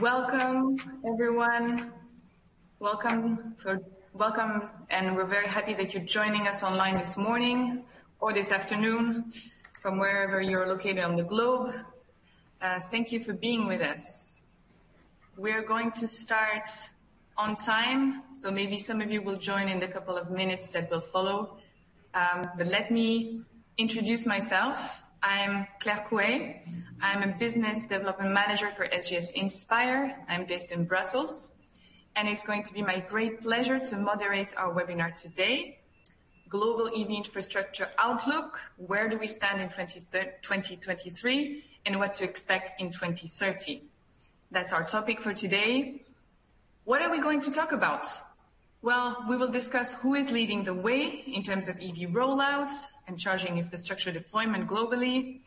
Welcome, everyone. Welcome, and we're very happy that you're joining us online this morning or this afternoon from wherever you're located on the globe. Thank you for being with us. We're going to start on time, so maybe some of you will join in a couple of minutes that will follow. But let me introduce myself. I'm Claire Couet. I'm a Business Development Manager for SGS INSPIRE. I'm based in Brussels, and it's going to be my great pleasure to moderate our webinar today. Global EV Infrastructure Outlook: Where do we stand in 2023, and what to expect in 2030? That's our topic for today. What are we going to talk about? Well, we will discuss who is leading the way in terms of EV rollouts and charging infrastructure deployment globally.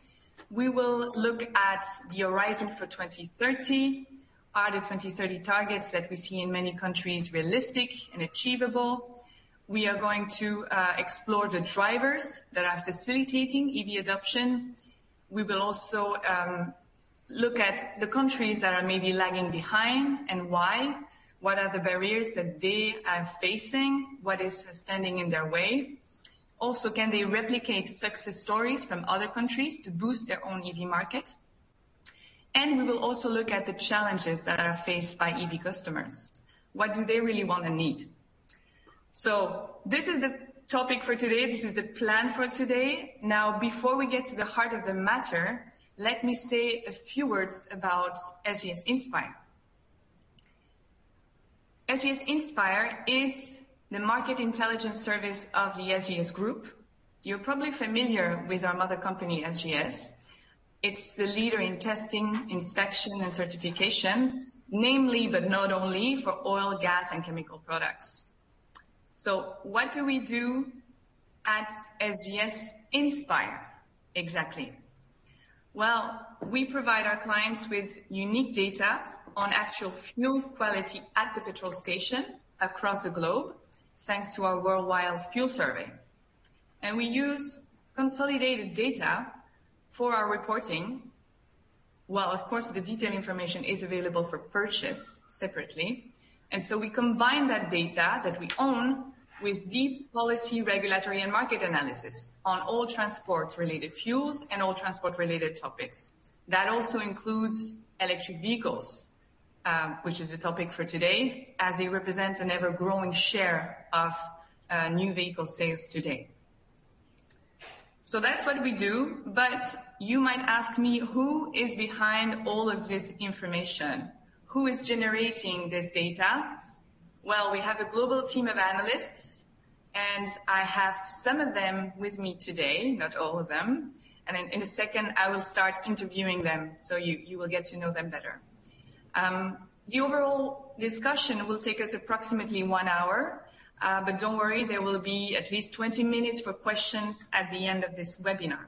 We will look at the horizon for 2030. Are the 2030 targets that we see in many countries realistic and achievable? We are going to explore the drivers that are facilitating EV adoption. We will also look at the countries that are maybe lagging behind and why. What are the barriers that they are facing? What is standing in their way? Also, can they replicate success stories from other countries to boost their own EV Market? And we will also look at the challenges that are faced by EV customers. What do they really want and need? So this is the topic for today. This is the plan for today. Now, before we get to the heart of the matter, let me say a few words about SGS INSPIRE. SGS INSPIRE is the Market Intelligence Service of the SGS Group. You're probably familiar with our mother company, SGS. It's the leader in testing, inspection, and certification, namely, but not only for oil, gas, and chemical products. So what do we do at SGS INSPIRE, exactly? Well, we provide our clients with unique data on actual fuel quality at the petrol station across the globe, thanks to our worldwide fuel survey. And we use consolidated data for our reporting, while of course, the detailed information is available for purchase separately. And so we combine that data that we own with deep policy, regulatory, and market analysis on all transport-related fuels and all transport-related topics. That also includes electric vehicles, which is the topic for today, as it represents an ever-growing share of new vehicle sales today. So that's what we do. But you might ask me, who is behind all of this information? Who is generating this data? Well, we have a Global Team of Analysts, and I have some of them with me today, not all of them. In a second, I will start interviewing them, so you will get to know them better. The overall discussion will take us approximately one hour, but don't worry, there will be at least 20 minutes for questions at the end of this webinar.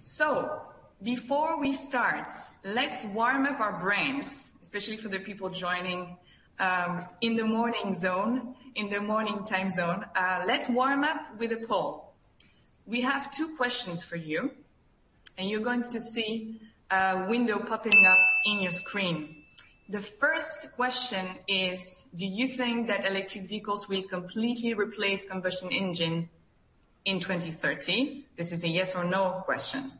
So before we start, let's warm up our brains, especially for the people joining in the morning zone, in the morning time zone. Let's warm up with a poll. We have two questions for you, and you're going to see a window popping up in your screen. The first question is: Do you think that electric vehicles will completely replace combustion engine in 2030? This is a yes or no question.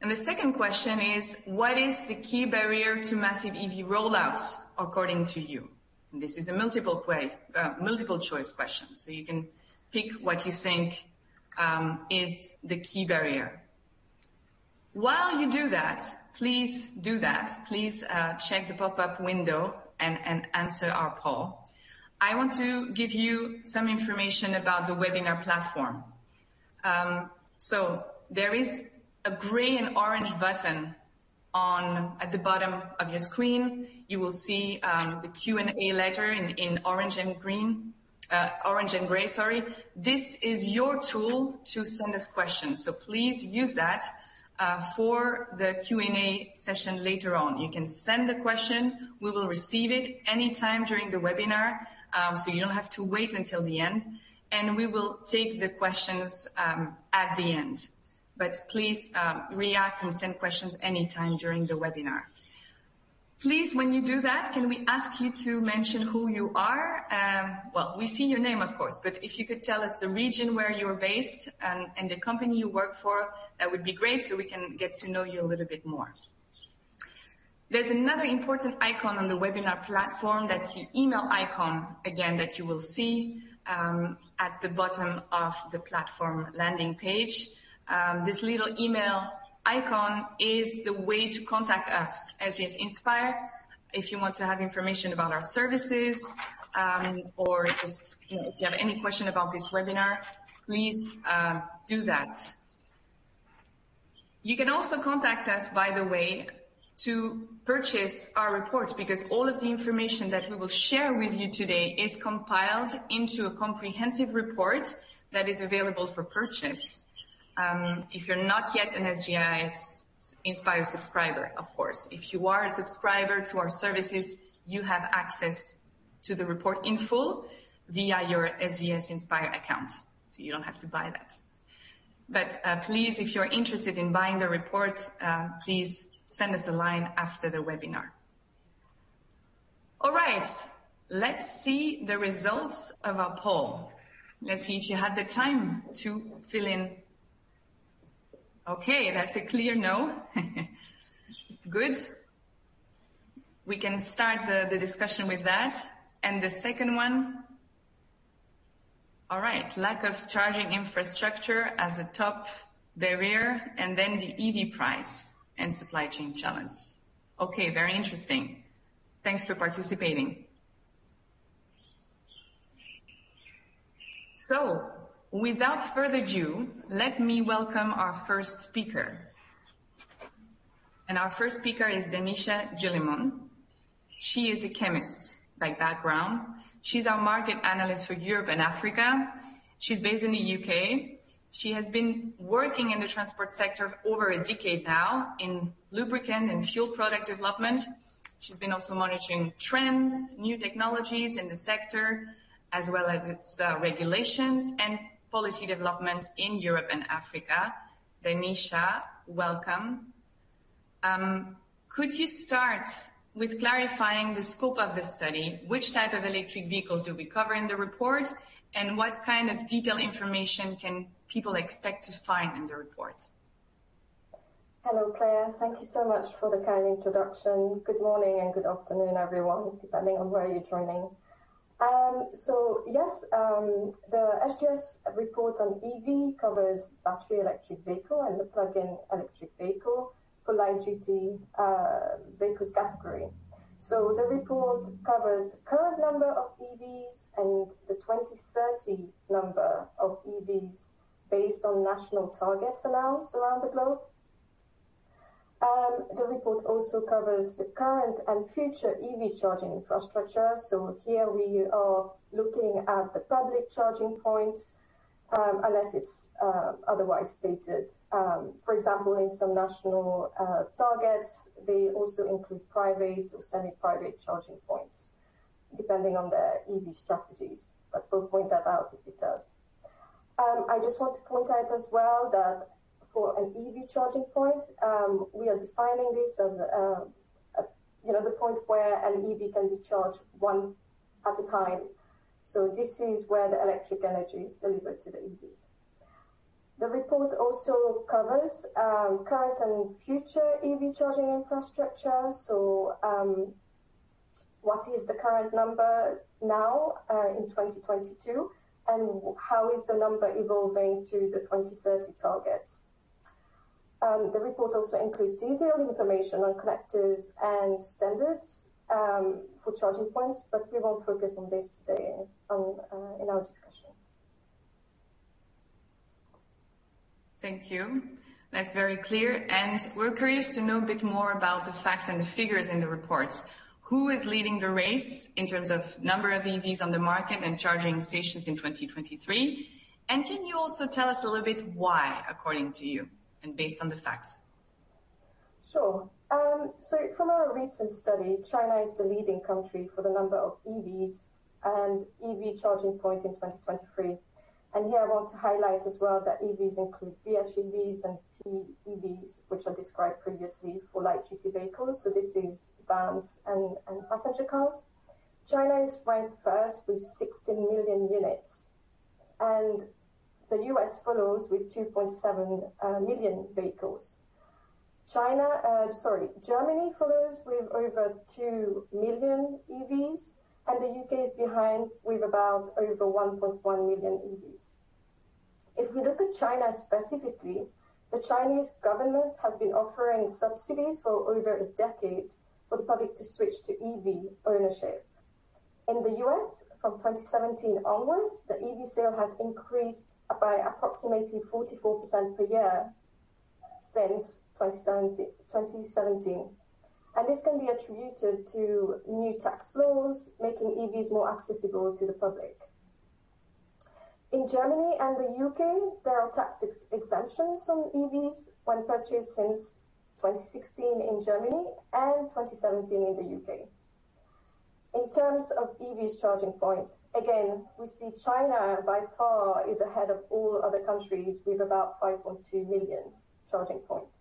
And the second question is: What is the key barrier to massive EV rollouts according to you? This is a multiple-choice question, so you can pick what you think is the key barrier. While you do that, please do that. Please check the pop-up window and answer our poll. I want to give you some information about the webinar platform. So there is a gray and orange button on at the bottom of your screen. You will see the Q&A letter in orange and green, orange and gray, sorry. This is your tool to send us questions, so please use that for the Q&A session later on. You can send the question. We will receive it anytime during the webinar, so you don't have to wait until the end, and we will take the questions at the end. But please, react and send questions anytime during the webinar. Please, when you do that, can we ask you to mention who you are? Well, we see your name, of course, but if you could tell us the region where you're based and the company you work for, that would be great, so we can get to know you a little bit more. There's another important icon on the webinar platform. That's your email icon, again, that you will see at the bottom of the platform landing page. This little email icon is the way to contact us, SGS INSPIRE. If you want to have information about our services, or just, you know, if you have any question about this webinar, please do that. You can also contact us, by the way, to purchase our report, because all of the information that we will share with you today is compiled into a comprehensive report that is available for purchase. If you're not yet an SGS INSPIRE subscriber, of course. If you are a subscriber to our services, you have access to the report in full via your SGS INSPIRE account, so you don't have to buy that. But please, if you're interested in buying the report, please send us a line after the webinar. All right, let's see the results of our poll. Let's see if you had the time to fill in. Okay, that's a clear no. Good. We can start the discussion with that. And the second one. All right, lack of charging infrastructure as a top barrier, and then the EV price and supply chain challenge. Okay, very interesting. Thanks for participating. So without further ado, let me welcome our first speaker. Our first speaker is Dhanisha Juleemun. She is a chemist by background. She's our market analyst for Europe and Africa. She's based in the U.K. She has been working in the transport sector over a decade now in lubricant and fuel product development. She's been also monitoring trends, new technologies in the sector, as well as its regulations and policy developments in Europe and Africa. Dhanisha, welcome. Could you start with clarifying the scope of the study? Which type of electric vehicles do we cover in the report, and what kind of detailed information can people expect to find in the report? Hello, Claire. Thank you so much for the kind introduction. Good morning and good afternoon, everyone, depending on where you're joining. So yes, the SGS report on EV covers battery electric vehicle and the plug-in electric vehicle for light duty vehicles category. So the report covers the current number of EVs and the 2030 number of EVs based on national targets announced around the globe. The report also covers the current and future EV charging infrastructure. So here we are looking at the public charging points, unless it's otherwise stated. For example, in some national targets, they also include private or semi-private charging points, depending on their EV strategies, but we'll point that out if it does. I just want to point out as well that for an EV charging point, we are defining this as, you know, the point where an EV can be charged one at a time. So this is where the electric energy is delivered to the EVs. The report also covers current and future EV charging infrastructure. So, what is the current number now in 2022, and how is the number evolving to the 2030 targets? The report also includes detailed information on connectors and standards for charging points, but we won't focus on this today in our discussion. Thank you. That's very clear, and we're curious to know a bit more about the facts and the figures in the reports. Who is leading the race in terms of number of EVs on the market and charging stations in 2023? And can you also tell us a little bit why, according to you, and based on the facts? Sure. So from our recent study, China is the leading country for the number of EVs and EV charging points in 2023. Here I want to highlight as well that EVs include PHEVs and PEVs, which are described previously for light duty vehicles. So this is vans and passenger cars. China is ranked first with 16 million units, and the U.S. follows with 2.7 million vehicles. Germany follows with over 2 million EVs, and the U.K. is behind with about over 1.1 million EVs. If we look at China specifically, the Chinese government has been offering subsidies for over a decade for the public to switch to EV Ownership. In the U.S., from 2017 onwards, the EV sale has increased by approximately 44% per year since 2017, and this can be attributed to new tax laws, making EVs more accessible to the public. In Germany and the U.K., there are tax exemptions on EVs when purchased since 2016 in Germany and 2017 in the U.K. In terms of EVs charging points, again, we see China by far is ahead of all other countries with about 5.2 million charging points.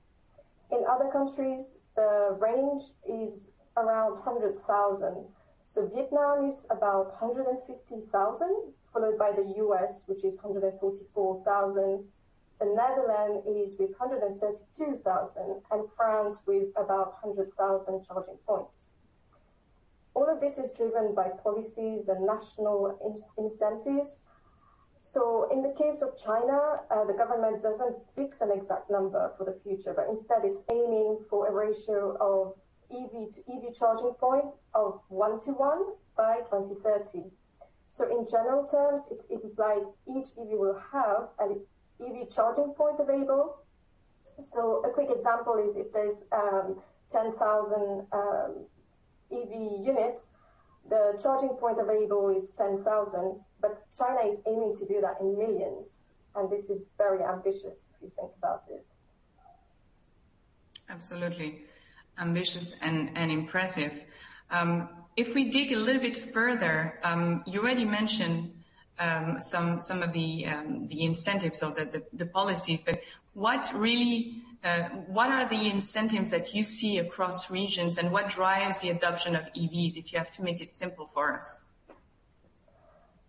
In other countries, the range is around 100,000. So Vietnam is about 150,000, followed by the U.S., which is 144,000. The Netherlands is with 132,000, and France with about 100,000 charging points. All of this is driven by policies and national incentives. So in the case of China, the government doesn't fix an exact number for the future, but instead it's aiming for a ratio of EV to EV charging point of 1:1 by 2030. So in general terms, it's implied each EV will have an EV charging point available. So a quick example is if there's 10,000 EV units, the charging point available is 10,000, but China is aiming to do that in millions, and this is very ambitious if you think about it. Absolutely ambitious and impressive. If we dig a little bit further, you already mentioned some of the incentives or the policies, but what really are the incentives that you see across regions, and what drives the adoption of EVs, if you have to make it simple for us?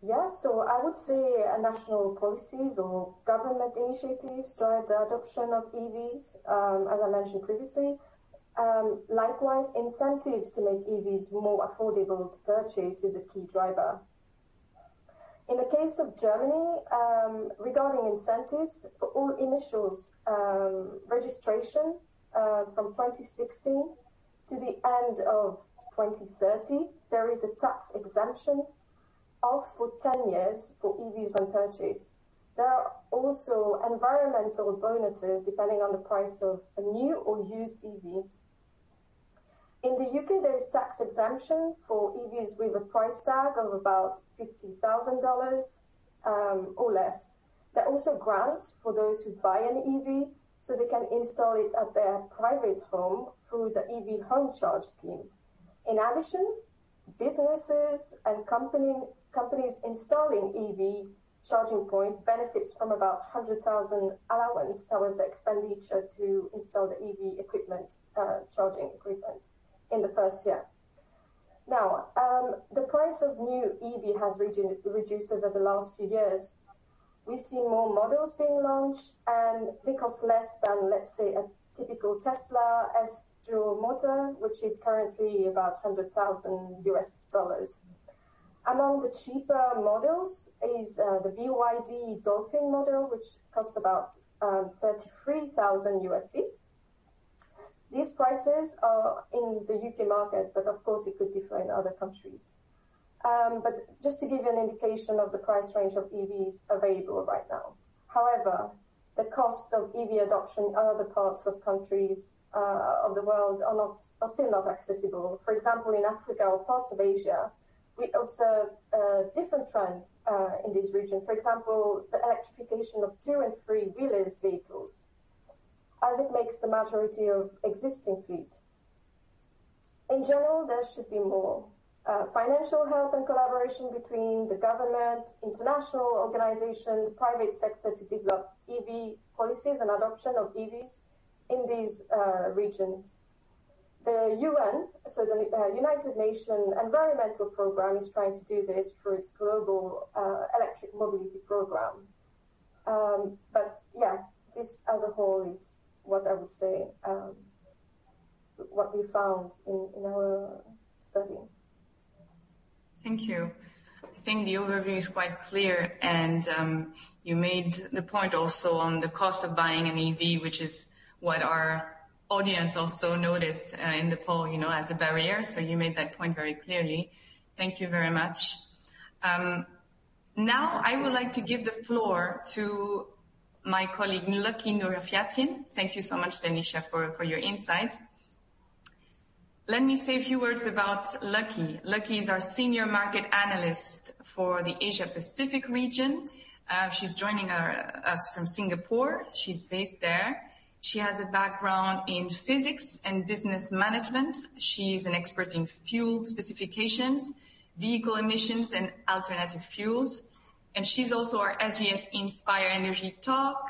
Yeah. So I would say national policies or government initiatives drive the adoption of EVs, as I mentioned previously. Likewise, incentives to make EVs more affordable to purchase is a key driver. In the case of Germany, regarding incentives for initial registration, from 2016 to the end of 2030, there is a tax exemption for 10 years for EVs when purchased. There are also environmental bonuses depending on the price of a new or used EV. In the U.K., there is tax exemption for EVs with a price tag of about $50,000 or less. There are also grants for those who buy an EV, so they can install it at their private home through the EV Homecharge Scheme. In addition, businesses and companies installing EV charging point benefit from about £100,000 allowance towards the expenditure to install the EV equipment, charging equipment in the first year. Now, the price of new EV has reduced over the last few years. We've seen more models being launched, and they cost less than, let's say, a typical Tesla S dual motor, which is currently about $100,000. Among the cheaper models is the BYD Dolphin model, which costs about $33,000. These prices are in the UK market, but of course it could differ in other countries. But just to give you an indication of the price range of EVs available right now. However, the cost of EV adoption in other parts of countries of the world is still not accessible. For example, in Africa or parts of Asia, we observe a different trend in this region. For example, the electrification of two- and three-wheeler vehicles, as it makes the majority of existing fleet. In general, there should be more financial help and collaboration between the Government, International Organization, Private Sector to develop EV policies and adoption of EVs in these regions. The UN, so the United Nations Environment Programme, is trying to do this for its Global Electric Mobility Program. But yeah, this as a whole is what I would say what we found in our study. Thank you. I think the overview is quite clear, and you made the point also on the cost of buying an EV, which is what our audience also noticed in the poll, you know, as a barrier. So you made that point very clearly. Thank you very much. Now I would like to give the floor to my colleague, Lucky Nurafiatin. Thank you so much, Dhanisha, for your insights. Let me say a few words about Lucky. Lucky is our Senior Market Analyst for the Asia Pacific region. She's joining us from Singapore. She's based there. She has a background in physics and business management. She's an expert in fuel specifications, Vehicle Emissions, and alternative fuels, and she's also our SGS INSPIRE Energy Talk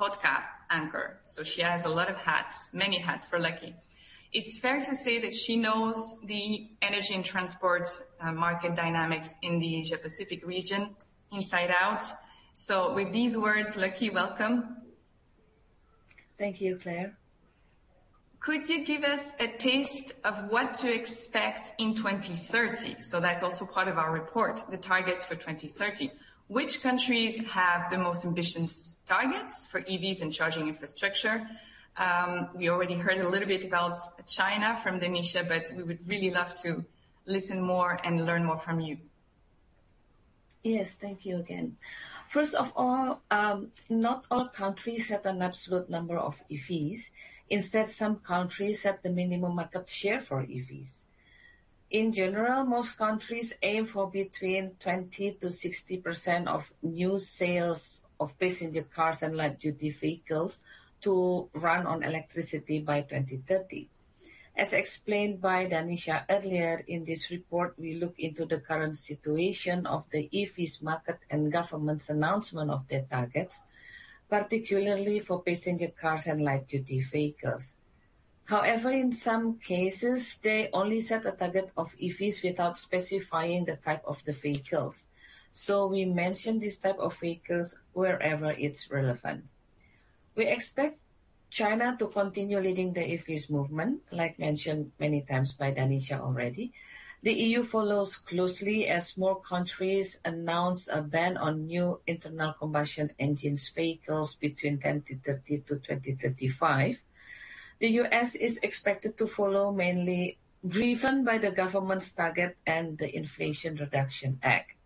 podcast anchor. So she has a lot of hats. Many hats for Lucky. It's fair to say that she knows the energy and transport, market dynamics in the Asia Pacific region inside out. So with these words, Lucky, welcome. Thank you, Claire. Could you give us a taste of what to expect in 2030? That's also part of our report, the targets for 2030. Which countries have the most ambitious targets for EVs and charging infrastructure? We already heard a little bit about China from Dhanisha, but we would really love to listen more and learn more from you. Yes, thank you again. First of all, not all countries set an absolute number of EVs. Instead, some countries set the minimum market share for EVs. In general, most countries aim for between 20%-60% of new sales of passenger cars and light-duty vehicles to run on electricity by 2030. As explained by Dhanisha earlier in this report, we look into the current situation of the EVs market and government's announcement of their targets, particularly for passenger cars and light-duty vehicles. However, in some cases they only set a target of EVs without specifying the type of the vehicles. So we mention these type of vehicles wherever it's relevant. We expect China to continue leading the EVs movement, like mentioned many times by Dhanisha already. The EU follows closely as more countries announce a ban on new internal combustion engines vehicles between 2030 and 2035. The U.S. is expected to follow, mainly driven by the government's target and the Inflation Reduction Act.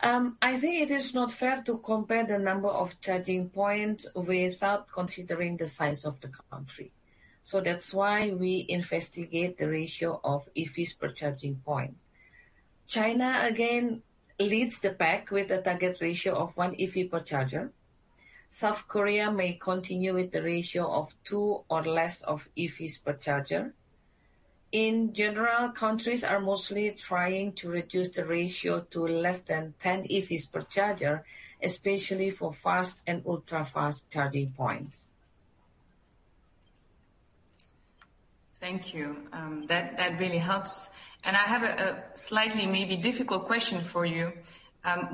I think it is not fair to compare the number of charging points without considering the size of the country... So that's why we investigate the ratio of EVs per charging point. China, again, leads the pack with a target ratio of 1 EV per charger. South Korea may continue with the ratio of 2 or less of EVs per charger. In general, countries are mostly trying to reduce the ratio to less than 10 EVs per charger, especially for fast and ultra-fast charging points. Thank you. That really helps. I have a slightly maybe difficult question for you.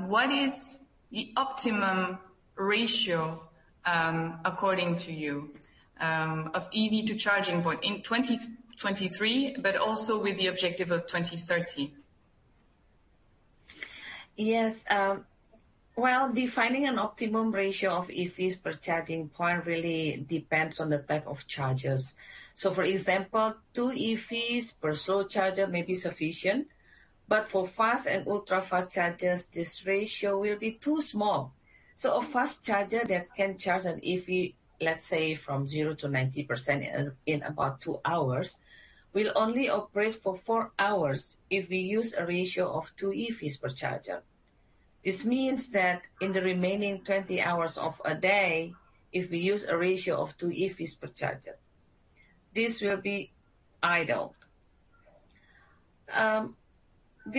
What is the optimum ratio, according to you, of EV to charging point in 2023, but also with the objective of 2030? Yes. Well, defining an optimum ratio of EVs per charging point really depends on the type of chargers. So for example, two EVs per slow charger may be sufficient, but for fast and ultra-fast chargers, this ratio will be too small. So a fast charger that can charge an EV, let's say, from 0% to 90% in about two hours, will only operate for four hours if we use a ratio of two EVs per charger. This means that in the remaining 20 hours of a day, if we use a ratio of two EVs per charger, this will be idle.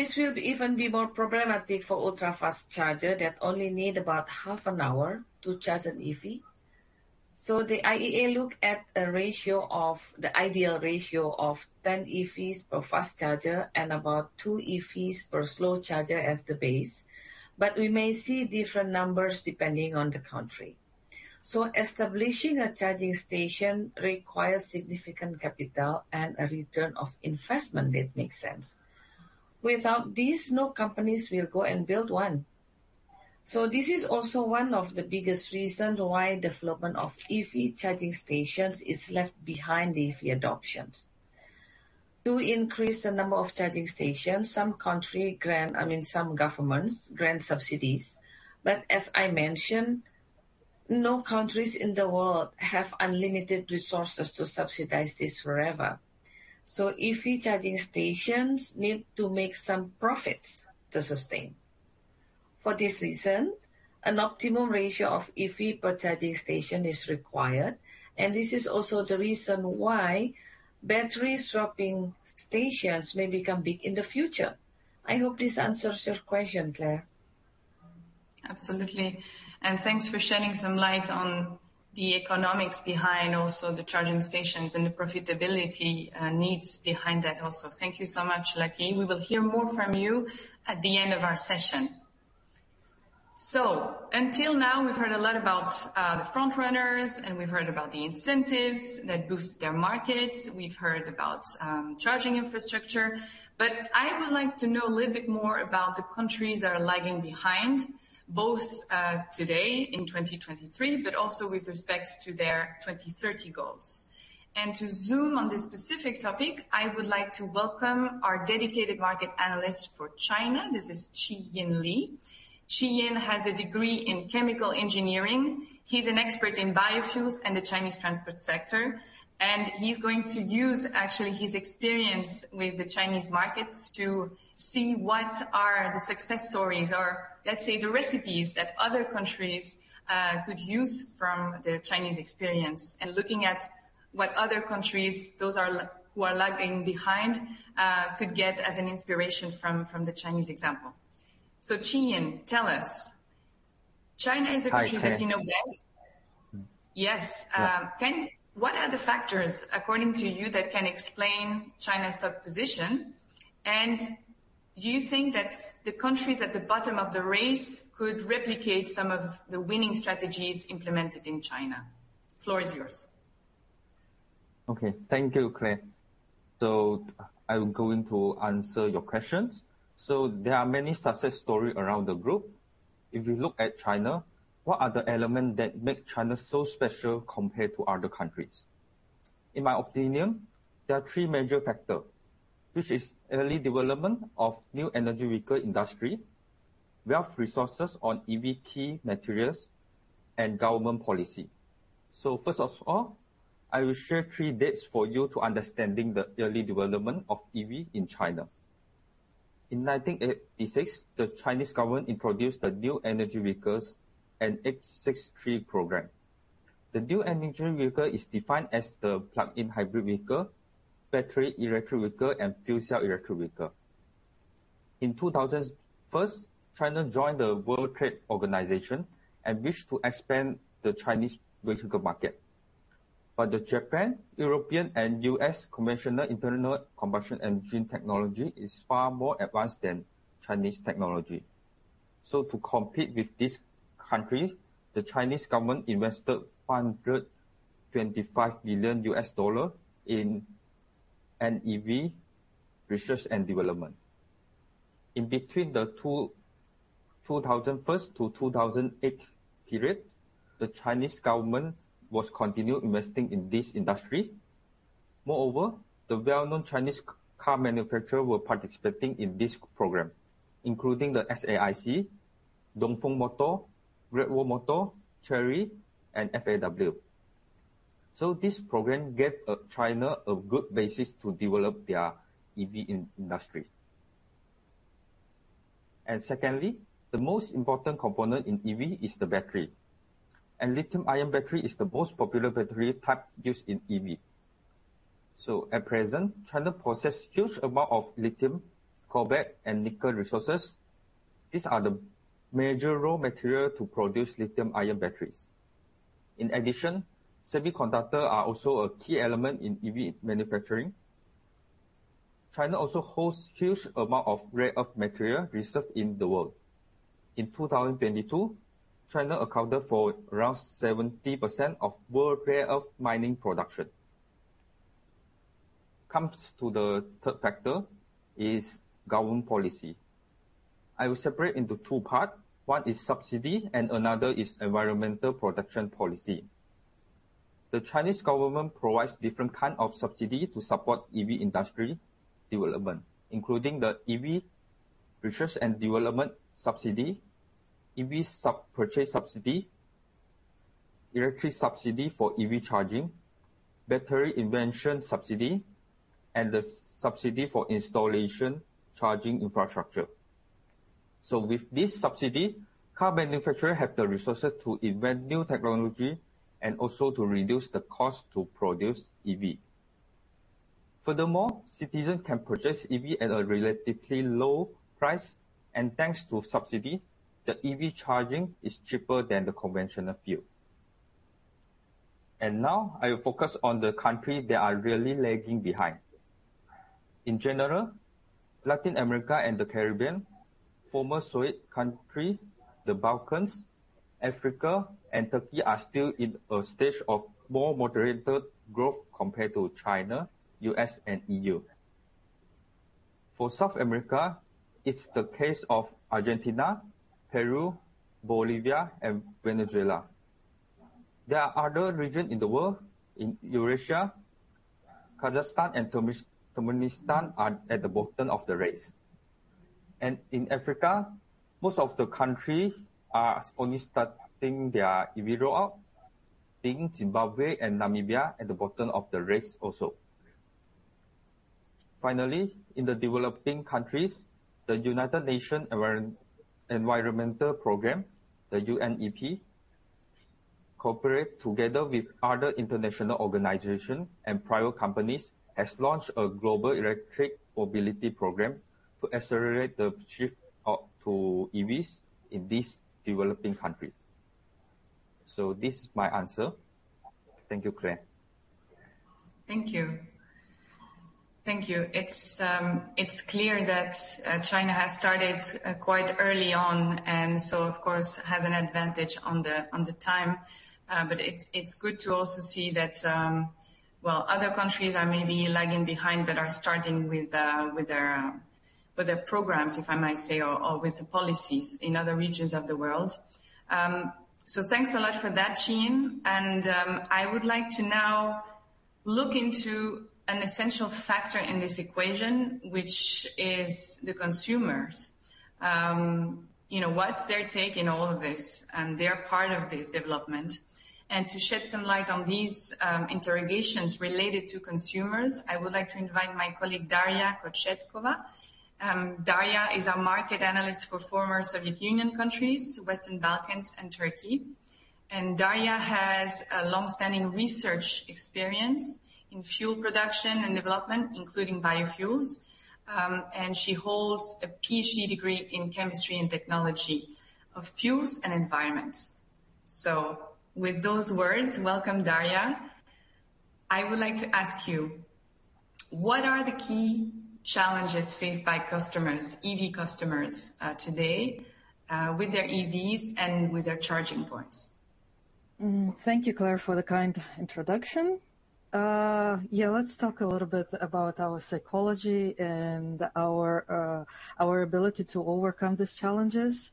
This will even be more problematic for ultra-fast charger that only need about half an hour to charge an EV. So the IEA look at a ratio of. The ideal ratio of 10 EVs per fast charger and about 2 EVs per slow charger as the base, but we may see different numbers depending on the country. So establishing a charging station requires significant capital and a return on investment that makes sense. Without this, no companies will go and build one. So this is also one of the biggest reasons why development of EV charging stations is left behind the EV adoption. To increase the number of charging stations, some countries grant, I mean, some governments grant subsidies, but as I mentioned, no countries in the world have unlimited resources to subsidize this forever. So EV charging stations need to make some profits to sustain. For this reason, an optimum ratio of EV per charging station is required, and this is also the reason why battery swapping stations may become big in the future. I hope this answers your question, Claire. Absolutely, and thanks for shedding some light on the economics behind also the charging stations and the profitability needs behind that also. Thank you so much, Lucky. We will hear more from you at the end of our session. So until now, we've heard a lot about the front runners, and we've heard about the incentives that boost their markets. We've heard about charging infrastructure, but I would like to know a little bit more about the countries that are lagging behind, both today in 2023, but also with respects to their 2030 goals. And to zoom on this specific topic, I would like to welcome our dedicated market analyst for China. This is Chee Yin Lee. Chee Yin has a degree in chemical engineering. He's an expert in biofuels and the Chinese transport sector, and he's going to use actually his experience with the Chinese markets to see what are the success stories or, let's say, the recipes that other countries could use from the Chinese experience, and looking at what other countries, those are who are lagging behind, could get as an inspiration from, from the Chinese example. So, Chihyin, tell us, China is a country that you know best. Hi, Claire. Yes. Yeah. What are the factors, according to you, that can explain China's top position? Do you think that the countries at the bottom of the race could replicate some of the winning strategies implemented in China? Floor is yours. Okay. Thank you, Claire. I will go into answer your questions. There are many success story around the group. If you look at China, what are the elements that make China so special compared to other countries? In my opinion, there are three major factor, which is early development of new energy vehicle industry, wealth resources on EV key materials, and government policy. First of all, I will share three dates for you to understanding the early development of EV in China. In 1986, the Chinese government introduced the new energy vehicles 863 Program. The new energy vehicle is defined as the plug-in hybrid vehicle, battery electric vehicle, and fuel cell electric vehicle. In 2001, China joined the World Trade Organization and wished to expand the Chinese vehicle market. But the Japanese, European, and U.S. conventional internal combustion engine technology is far more advanced than Chinese technology. So to compete with this country, the Chinese government invested $525 million in an EV research and development. In between 2001-2008 period, the Chinese government was continued investing in this industry. Moreover, the well-known Chinese car manufacturer were participating in this program, including the SAIC, Dongfeng Motor, Great Wall Motor, Chery, and FAW. So this program gave China a good basis to develop their EV industry. And secondly, the most important component in EV is the battery, and lithium-ion battery is the most popular battery type used in EV. So at present, China possess huge amount of lithium, cobalt, and nickel resources. These are the major raw material to produce lithium-ion batteries. In addition, semiconductors are also a key element in EV manufacturing. China also hosts a huge amount of rare earth material reserves in the world. In 2022, China accounted for around 70% of world rare earth mining production. Coming to the third factor is government policy. I will separate into two parts. One is subsidy and another is environmental protection policy. The Chinese government provides different kind of subsidy to support EV industry development, including the EV research and development subsidy, EV purchase subsidy, electric subsidy for EV charging, battery invention subsidy, and the subsidy for installation charging infrastructure. So with this subsidy, car manufacturer have the resources to invent new technology and also to reduce the cost to produce EV. Furthermore, citizens can purchase EV at a relatively low price, and thanks to subsidy, the EV charging is cheaper than the conventional fuel. And now I will focus on the countries that are really lagging behind. In general, Latin America and the Caribbean, former Soviet country, the Balkans, Africa, and Turkey, are still in a stage of more moderated growth compared to China, U.S., and EU. For South America, it's the case of Argentina, Peru, Bolivia, and Venezuela. There are other regions in the world, in Eurasia, Kazakhstan and Turkmenistan are at the bottom of the race. And in Africa, most of the countries are only starting their EV roll out, leaving Zimbabwe and Namibia at the bottom of the race also. Finally, in the developing countries, the United Nations Environment Program, the UNEP, cooperate together with other international organizations and private companies, has launched a Global Electric Mobility Program to accelerate the shift up to EVs in these developing countries. So this is my answer. Thank you, Claire. Thank you. Thank you. It's clear that China has started quite early on, and so of course, has an advantage on the time. But it's good to also see that, well, other countries are maybe lagging behind but are starting with their programs, if I might say, or with the policies in other regions of the world. So thanks a lot for that, Chee. I would like to now look into an essential factor in this equation, which is the consumers. You know, what's their take in all of this, and they're part of this development. To shed some light on these interrogations related to consumers, I would like to invite my colleague, Daria Kochetkova. Daria is our market analyst for former Soviet Union countries, Western Balkans, and Turkey. Daria has a long-standing research experience in fuel production and development, including biofuels. She holds a PhD degree in Chemistry and Technology of Fuels and Environment. So with those words, welcome, Daria. I would like to ask you, what are the key challenges faced by customers, EV customers, today, with their EVs and with their charging points? Thank you, Claire, for the kind introduction. Yeah, let's talk a little bit about our psychology and our ability to overcome these challenges.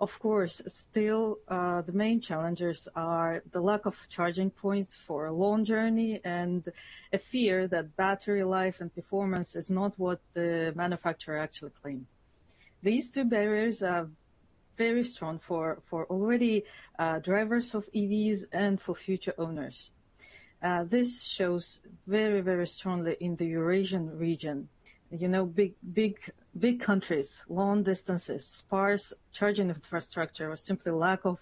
Of course, still, the main challenges are the lack of charging points for a long journey and a fear that battery life and performance is not what the manufacturer actually claim. These two barriers are very strong for already drivers of EVs and for future owners. This shows very, very strongly in the Eurasian region. You know, big, big, big countries, long distances, sparse charging infrastructure, or simply lack of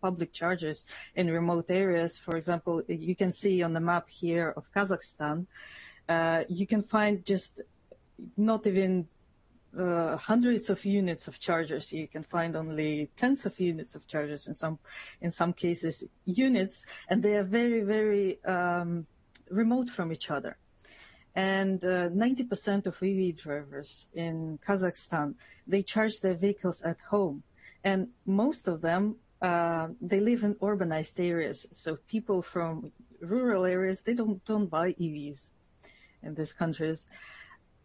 public chargers in remote areas. For example, you can see on the map here of Kazakhstan. You can find just not even hundreds of units of chargers. You can find only tens of units of chargers, in some cases, units, and they are very, very, remote from each other. 90% of EV drivers in Kazakhstan charge their vehicles at home, and most of them they live in urbanized areas. So people from rural areas, they don't buy EVs in these countries.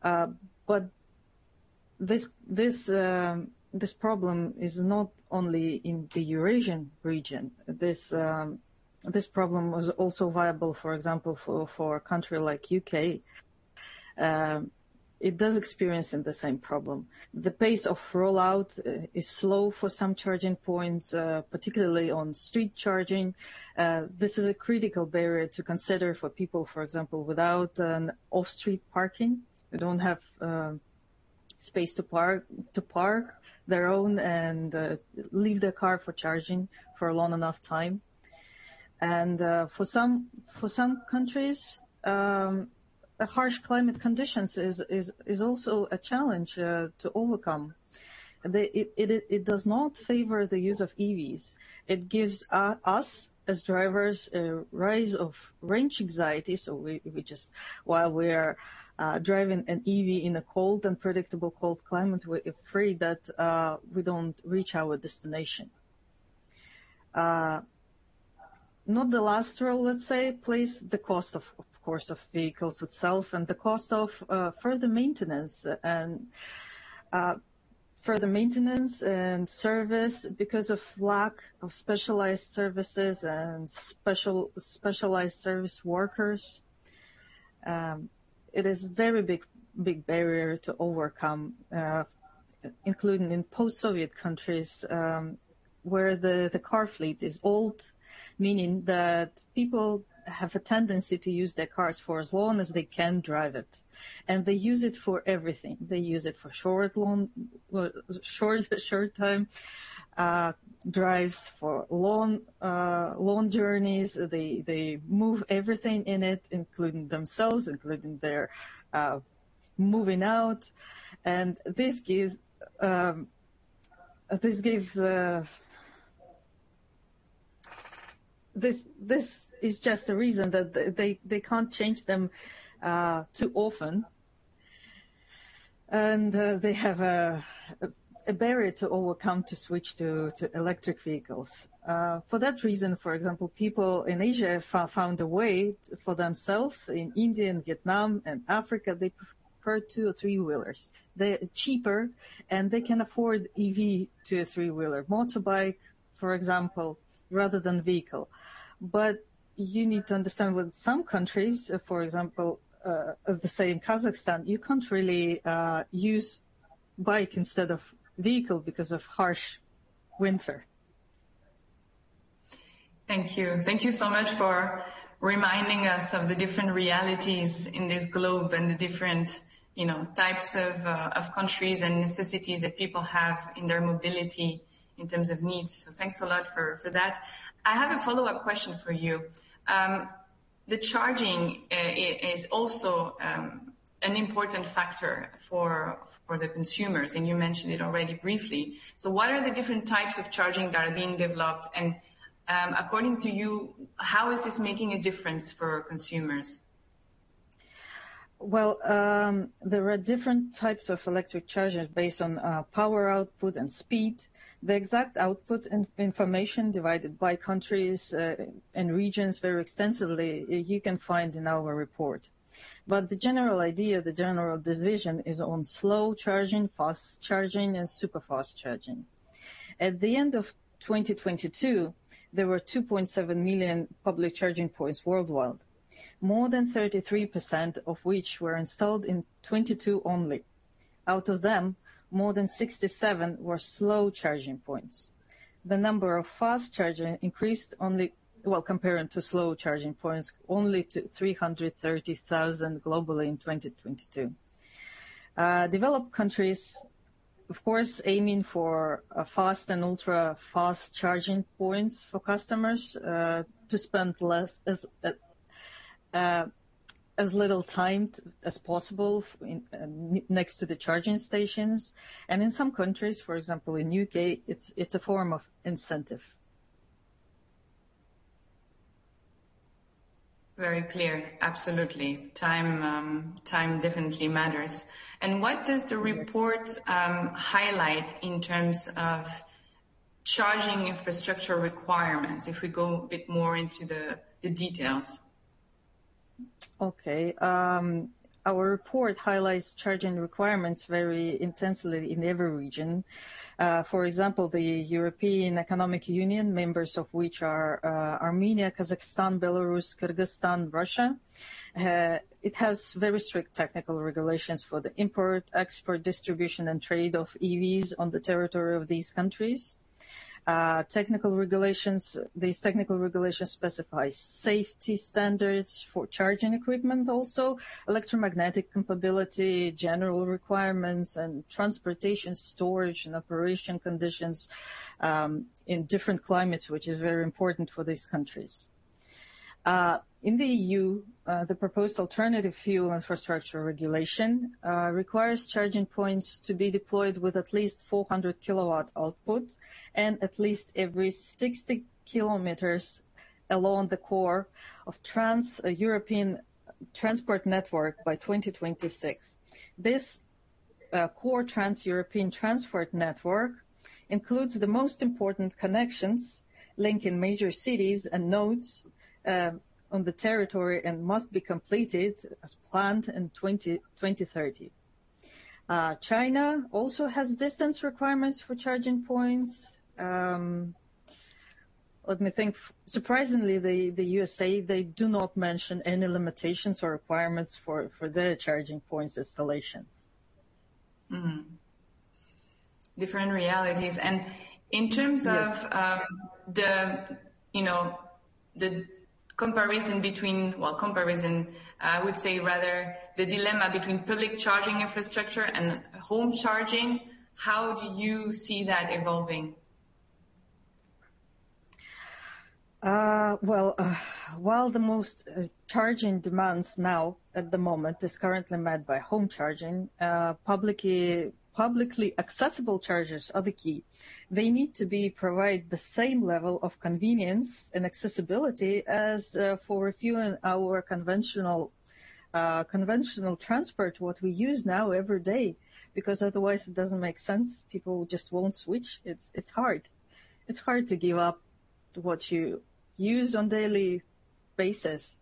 But this problem is not only in the Eurasian region. This problem was also viable, for example, for a country like U.K. It does experience the same problem. The pace of rollout is slow for some charging points, particularly on-street charging. This is a critical barrier to consider for people, for example, without an off-street parking. They don't have space to park their own and leave their car for charging for a long enough time. And for some countries, a harsh climate conditions is also a challenge to overcome. It does not favor the use of EVs. It gives us, as drivers, a rise of range anxiety. So we just while we are driving an EV in a cold and predictable cold climate, we're afraid that we don't reach our destination. Not the last role, let's say, please, the cost of course of vehicles itself and the cost of further maintenance and service because of lack of specialized services and specialized service workers. It is a very big barrier to overcome, including in post-Soviet countries, where the car fleet is old, meaning that people have a tendency to use their cars for as long as they can drive it. And they use it for everything. They use it for short, long short-time drives. For long journeys. They move everything in it, including themselves, including their moving out. And this is just a reason that they can't change them too often, and they have a barrier to overcome to switch to electric vehicles. For that reason, for example, people in Asia have found a way for themselves. In India and Vietnam and Africa, they prefer two or three wheelers. They're cheaper, and they can afford EV two or three wheeler motorbike, for example, rather than vehicle. But you need to understand with some countries, for example, say in Kazakhstan, you can't really use bike instead of vehicle because of harsh winter. Thank you. Thank you so much for reminding us of the different realities in this globe and the different, you know, types of countries and necessities that people have in their mobility in terms of needs. So thanks a lot for that. I have a follow-up question for you. The charging is also an important factor for the consumers, and you mentioned it already briefly. So what are the different types of charging that are being developed? And, according to you, how is this making a difference for consumers? Well, there are different types of electric chargers based on power output and speed. The exact output and information divided by countries and regions very extensively, you can find in our report. But the general idea, the general division is on slow charging, fast charging, and super fast charging. At the end of 2022, there were 2.7 million public charging points worldwide, more than 33% of which were installed in 2022 only. Out of them, more than 67 were slow charging points. The number of fast charging increased only. Well, comparing to slow charging points, only to 330,000 globally in 2022. Developed countries, of course, aiming for a fast and ultra-fast charging points for customers to spend as little time as possible next to the charging stations. In some countries, for example, in U.K., it's, it's a form of incentive. Very clear. Absolutely. Time, time definitely matters. And what does the report highlight in terms of charging infrastructure requirements? If we go a bit more into the details. Okay, our report highlights charging requirements very intensely in every region. For example, the Eurasian Economic Union, members of which are, Armenia, Kazakhstan, Belarus, Kyrgyzstan, Russia. It has very strict technical regulations for the import, export, distribution, and trade of EVs on the territory of these countries. Technical regulations. These technical regulations specify safety standards for charging equipment, also electromagnetic compatibility, general requirements, and transportation, storage, and operation conditions, in different climates, which is very important for these countries. In the EU, the proposed Alternative Fuel Infrastructure Regulation requires charging points to be deployed with at least 400 kW output and at least every 60 km along the core of Trans-European Transport Network by 2026. This core Trans-European Transport Network includes the most important connections linking major cities and nodes on the territory, and must be completed as planned in 2030. China also has distance requirements for charging points. Let me think. Surprisingly, the USA, they do not mention any limitations or requirements for their charging points installation. Mm-hmm. Different realities. And in terms of- Yes you know, the comparison between... Well, comparison, I would say rather the dilemma between public charging infrastructure and home charging, how do you see that evolving? Well, while the most charging demands now at the moment is currently met by home charging, publicly accessible chargers are the key. They need to be provide the same level of convenience and accessibility as for refueling our conventional transport, what we use now every day, because otherwise it doesn't make sense. People just won't switch. It's hard. It's hard to give up what you use on daily basis.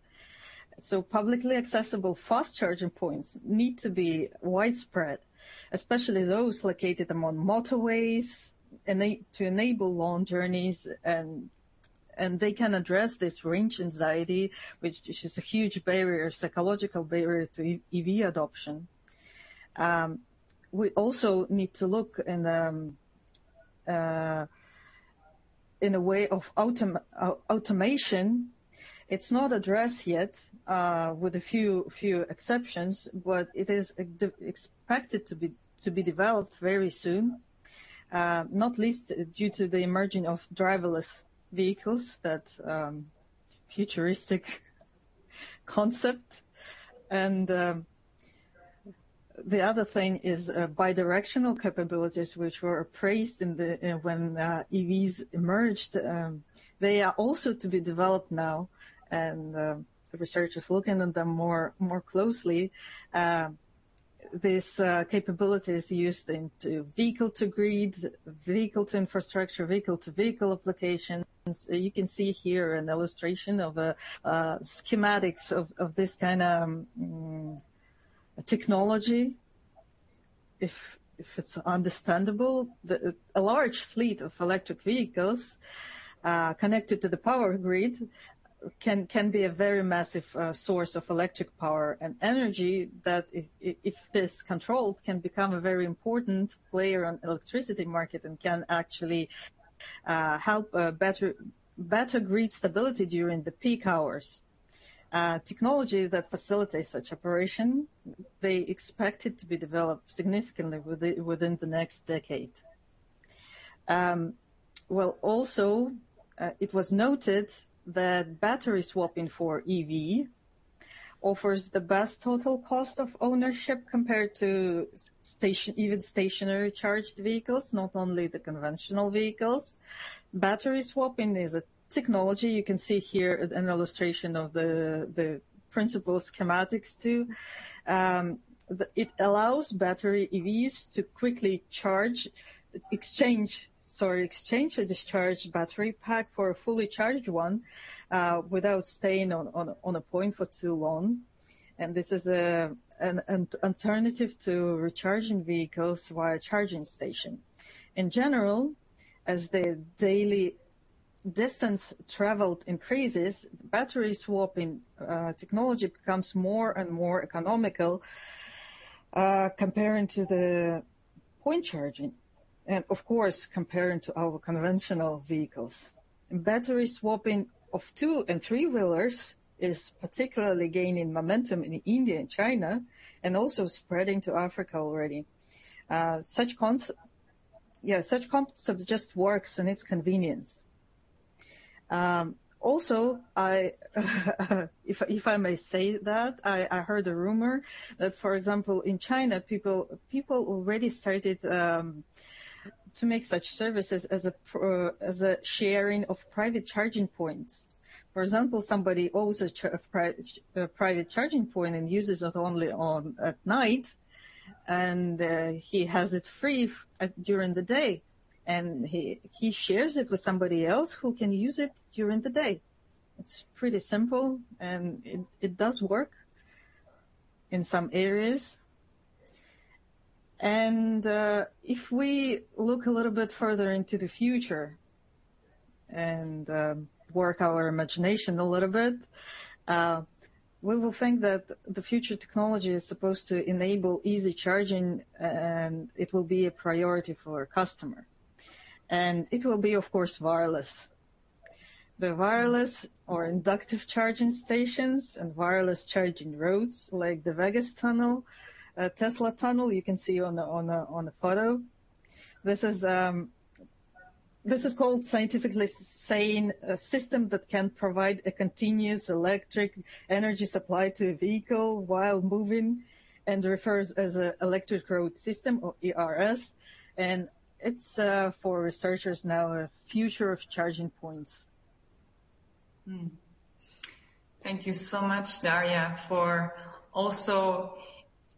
So publicly accessible fast charging points need to be widespread, especially those located among motorways to enable long journeys, and they can address this range anxiety, which is a huge barrier, psychological barrier to EV adoption. We also need to look in a way of automation. It's not addressed yet, with a few exceptions, but it is expected to be developed very soon, not least due to the emerging of driverless vehicles, that futuristic concept. And, the other thing is, bidirectional capabilities, which were appraised in the, when, EVs emerged. They are also to be developed now, and, the research is looking at them more closely. This capability is used into vehicle-to-grid, vehicle-to-infrastructure, vehicle-to-vehicle applications. You can see here an illustration of schematics of this kind, technology. If it's understandable, a large fleet of electric vehicles connected to the power grid can be a very massive source of electric power and energy, that if this controlled, can become a very important player on electricity market and can actually help better grid stability during the peak hours. Technology that facilitates such operation, they expect it to be developed significantly within the next decade. Well, also, it was noted that battery swapping for EV offers the best total cost of ownership compared to even stationary charged vehicles, not only the conventional vehicles. Battery swapping is a technology. You can see here an illustration of the principle schematics too. It allows battery EVs to quickly charge, exchange, sorry, exchange a discharged battery pack for a fully charged one, without staying on a point for too long. And this is an alternative to recharging vehicles via charging station. In general, as the daily distance traveled increases, battery swapping technology becomes more and more economical, comparing to the point charging, and of course, comparing to our conventional vehicles. Battery swapping of two and three wheelers is particularly gaining momentum in India and China, and also spreading to Africa already. Such concepts just works, and it's convenience. Also, if I may say that, I heard a rumor that, for example, in China, people already started to make such services as a pro, as a sharing of private charging points. For example, somebody owns a private charging point and uses it only at night, and he has it free during the day, and he shares it with somebody else who can use it during the day. It's pretty simple, and it does work in some areas. If we look a little bit further into the future and work our imagination a little bit, we will think that the future technology is supposed to enable easy charging, and it will be a priority for a customer. And it will be, of course, wireless. The wireless or inductive charging stations and wireless charging roads, like the Vegas tunnel, Tesla tunnel, you can see on a photo. This is called scientifically sane, a system that can provide a continuous electric energy supply to a vehicle while moving, and refers as an Electric Road System or ERS, and it's for researchers now, a future of charging points. Thank you so much, Daria, for also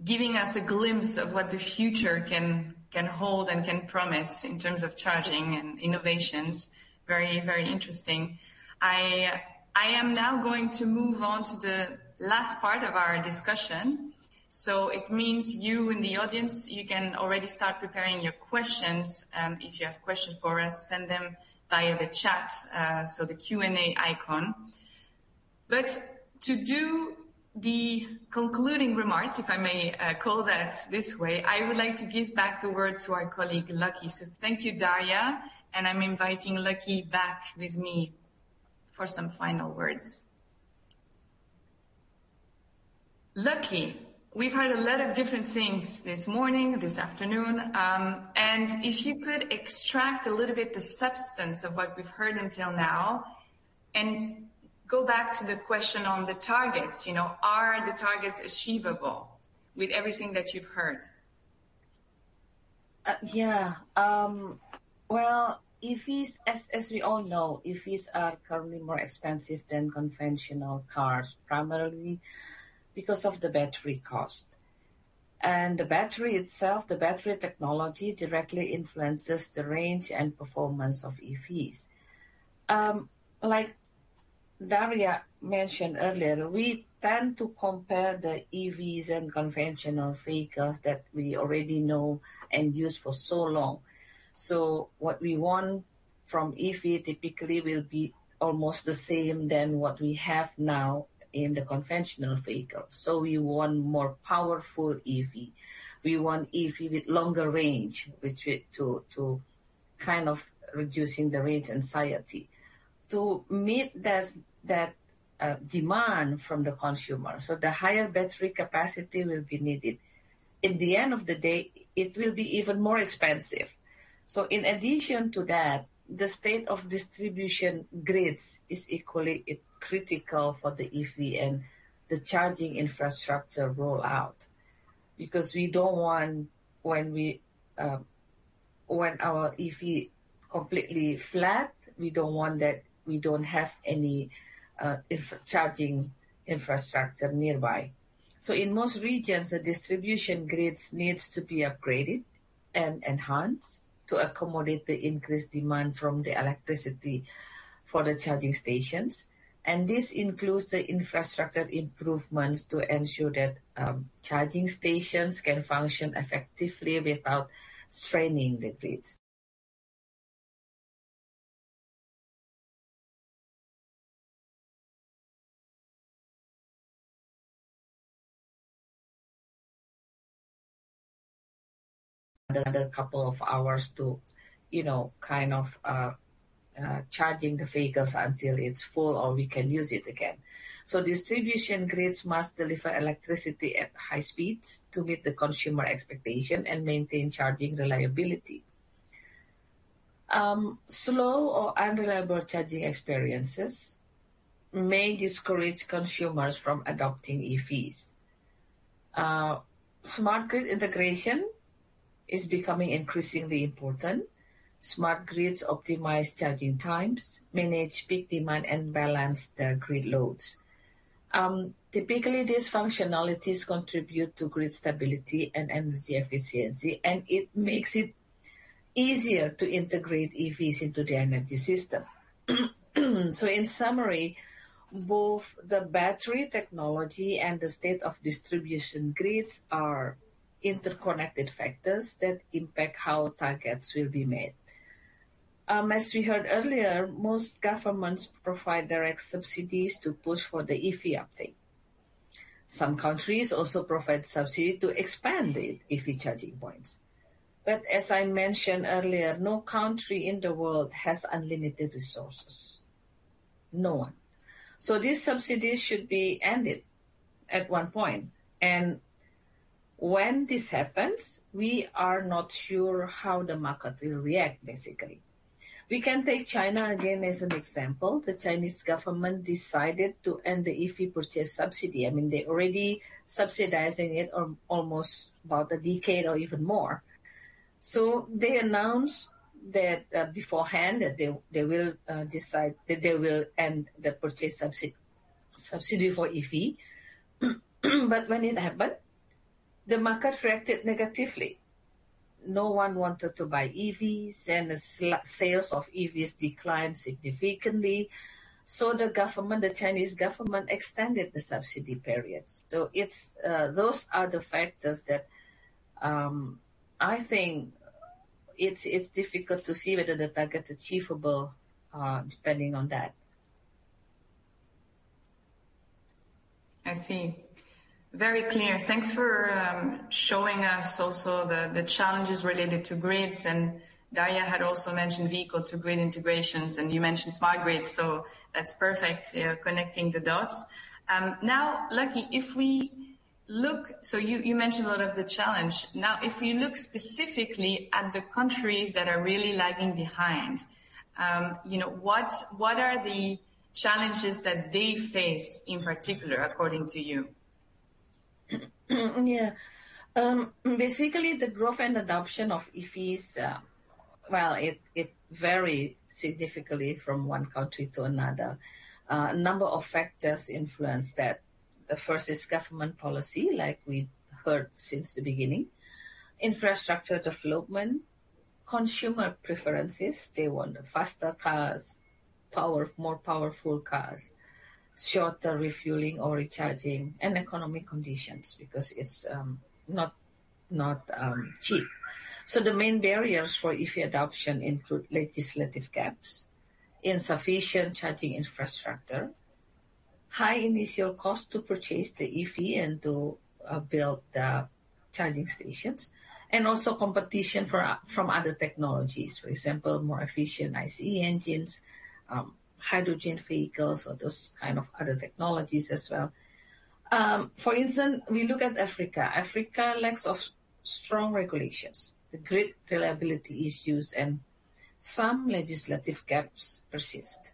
giving us a glimpse of what the future can hold and can promise in terms of charging and innovations. Very, very interesting. I am now going to move on to the last part of our discussion. So it means you in the audience, you can already start preparing your questions. If you have questions for us, send them via the chat, so the Q&A icon. But to do the concluding remarks, if I may, call that this way, I would like to give back the word to our colleague, Lucky. So thank you, Daria, and I'm inviting Lucky back with me for some final words. Lucky, we've heard a lot of different things this morning, this afternoon, and if you could extract a little bit the substance of what we've heard until now, and go back to the question on the targets. You know, are the targets achievable with everything that you've heard? Well, EVs, as we all know, EVs are currently more expensive than conventional cars, primarily because of the battery cost. And the battery itself, the battery technology directly influences the range and performance of EVs. Like Daria mentioned earlier, we tend to compare the EVs and conventional vehicles that we already know and use for so long. So what we want from EV typically will be almost the same than what we have now in the conventional vehicle. So we want more powerful EV. We want EV with longer range, which kind of reducing the range anxiety. To meet that demand from the consumer, so the higher battery capacity will be needed. In the end of the day, it will be even more expensive. So in addition to that, the state of distribution grids is equally critical for the EV and the charging infrastructure rollout, because we don't want when we, when our EV completely flat, we don't want that we don't have any, if charging infrastructure nearby. So in most regions, the distribution grids needs to be upgraded and enhanced to accommodate the increased demand from the electricity for the charging stations, and this includes the infrastructure improvements to ensure that, charging stations can function effectively without straining the grids. Another couple of hours to, you know, kind of, charging the vehicles until it's full or we can use it again. So distribution grids must deliver electricity at high speeds to meet the consumer expectation and maintain charging reliability. Slow or unreliable charging experiences may discourage consumers from adopting EVs. Smart grid integration is becoming increasingly important. Smart grids optimize charging times, manage peak demand, and balance the grid loads. Typically, these functionalities contribute to grid stability and energy efficiency, and it makes it easier to integrate EVs into the energy system. So in summary, both the battery technology and the state of distribution grids are interconnected factors that impact how targets will be met. As we heard earlier, most governments provide direct subsidies to push for the EV uptake. Some countries also provide subsidy to expand the EV charging points. But as I mentioned earlier, no country in the world has unlimited resources. No one. So these subsidies should be ended at one point, and when this happens, we are not sure how the market will react, basically. We can take China again as an example. The Chinese government decided to end the EV purchase subsidy. I mean, they're already subsidizing it for almost about a decade or even more. So they announced that, beforehand, that they will decide that they will end the purchase subsidy for EV. But when it happened, the market reacted negatively. No one wanted to buy EVs, and the sales of EVs declined significantly. So the government, the Chinese government, extended the subsidy periods. So it's those are the factors that I think it's difficult to see whether the target's achievable, depending on that. I see. Very clear. Thanks for showing us also the challenges related to grids, and Daria had also mentioned vehicle-to-grid integrations, and you mentioned smart grids, so that's perfect, connecting the dots. Now, Lucky, if we look. So you mentioned a lot of the challenge. Now, if you look specifically at the countries that are really lagging behind, you know, what are the challenges that they face in particular, according to you? Yeah. Basically, the growth and adoption of EVs, well, it vary significantly from one country to another. A number of factors influence that. The first is government policy, like we heard since the beginning. Infrastructure development, consumer preferences, they want faster cars, power, more powerful cars, shorter refueling or recharging, and economic conditions, because it's not cheap. So the main barriers for EV adoption include legislative gaps, insufficient charging infrastructure, high initial cost to purchase the EV and to build the charging stations, and also competition from other technologies. For example, more efficient ICE engines, hydrogen vehicles, or those kind of other technologies as well. For instance, we look at Africa. Africa lacks of strong regulations, the grid reliability issues, and some legislative gaps persist.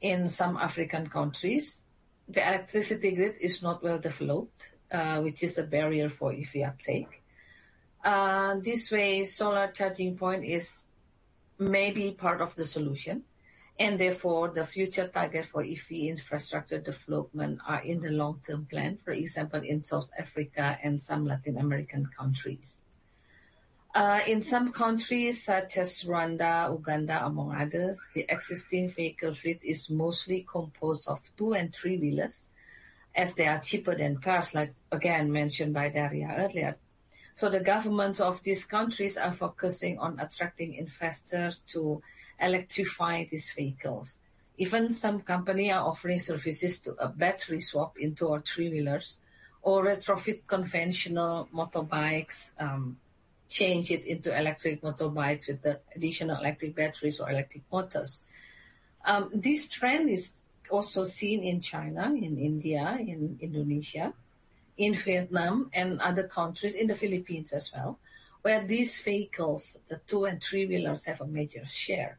In some African countries, the electricity grid is not well developed, which is a barrier for EV uptake. This way, solar charging point is maybe part of the solution, and therefore the future target for EV infrastructure development are in the long-term plan, for example, in South Africa and some Latin American countries. In some countries, such as Rwanda, Uganda, among others, the existing vehicle fleet is mostly composed of two and three-wheelers, as they are cheaper than cars, like, again, mentioned by Daria earlier. So the governments of these countries are focusing on attracting investors to electrify these vehicles. Even some company are offering services to battery swap into our three-wheelers or retrofit conventional motorbikes, change it into electric motorbikes with the additional electric batteries or electric motors. This trend is also seen in China, in India, in Indonesia, in Vietnam, and other countries, in the Philippines as well, where these vehicles, the two and three-wheelers, have a major share.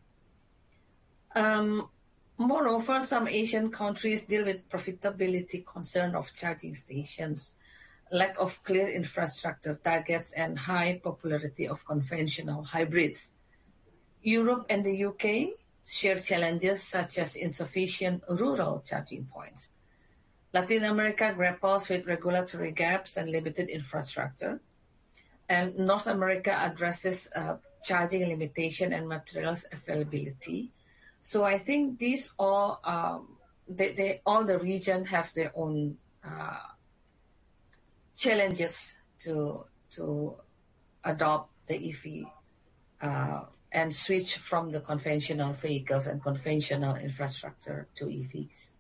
Moreover, some Asian countries deal with profitability concern of charging stations, lack of clear infrastructure targets, and high popularity of conventional hybrids. Europe and the UK share challenges such as insufficient rural charging points. Latin America grapples with regulatory gaps and limited infrastructure, and North America addresses charging limitation and materials availability. So I think these all, they all the region have their own challenges to adopt the EV and switch from the conventional vehicles and conventional infrastructure to EVs.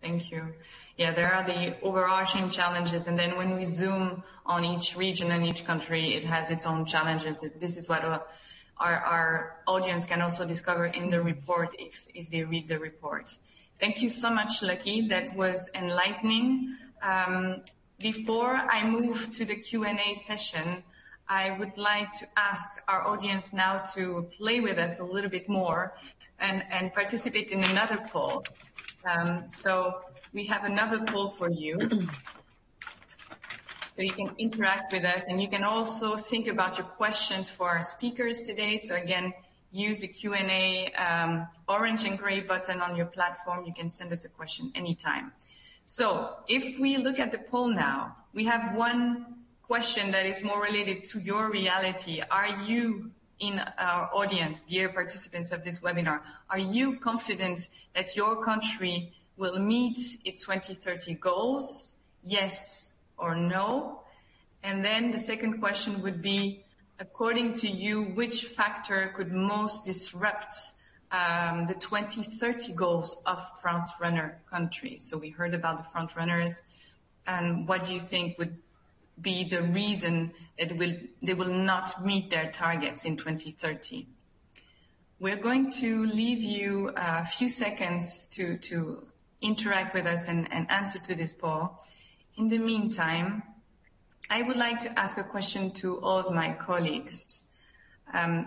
Thank you. Yeah, there are the overarching challenges, and then when we zoom on each region and each country, it has its own challenges. This is what our audience can also discover in the report if they read the report. Thank you so much, Lucky. That was enlightening. Before I move to the Q&A session, I would like to ask our audience now to play with us a little bit more and participate in another poll. So we have another poll for you. So you can interact with us, and you can also think about your questions for our speakers today. So again, use the Q&A orange and gray button on your platform. You can send us a question anytime. So if we look at the poll now, we have one question that is more related to your reality. Are you in our audience, dear participants of this webinar, are you confident that your country will meet its 2030 goals? Yes or no. And then the second question would be, according to you, which factor could most disrupt the 2030 goals of front-runner countries? So we heard about the front runners, and what do you think would be the reason they will not meet their targets in 2030? We're going to leave you a few seconds to interact with us and answer to this poll. In the meantime, I would like to ask a question to all of my colleagues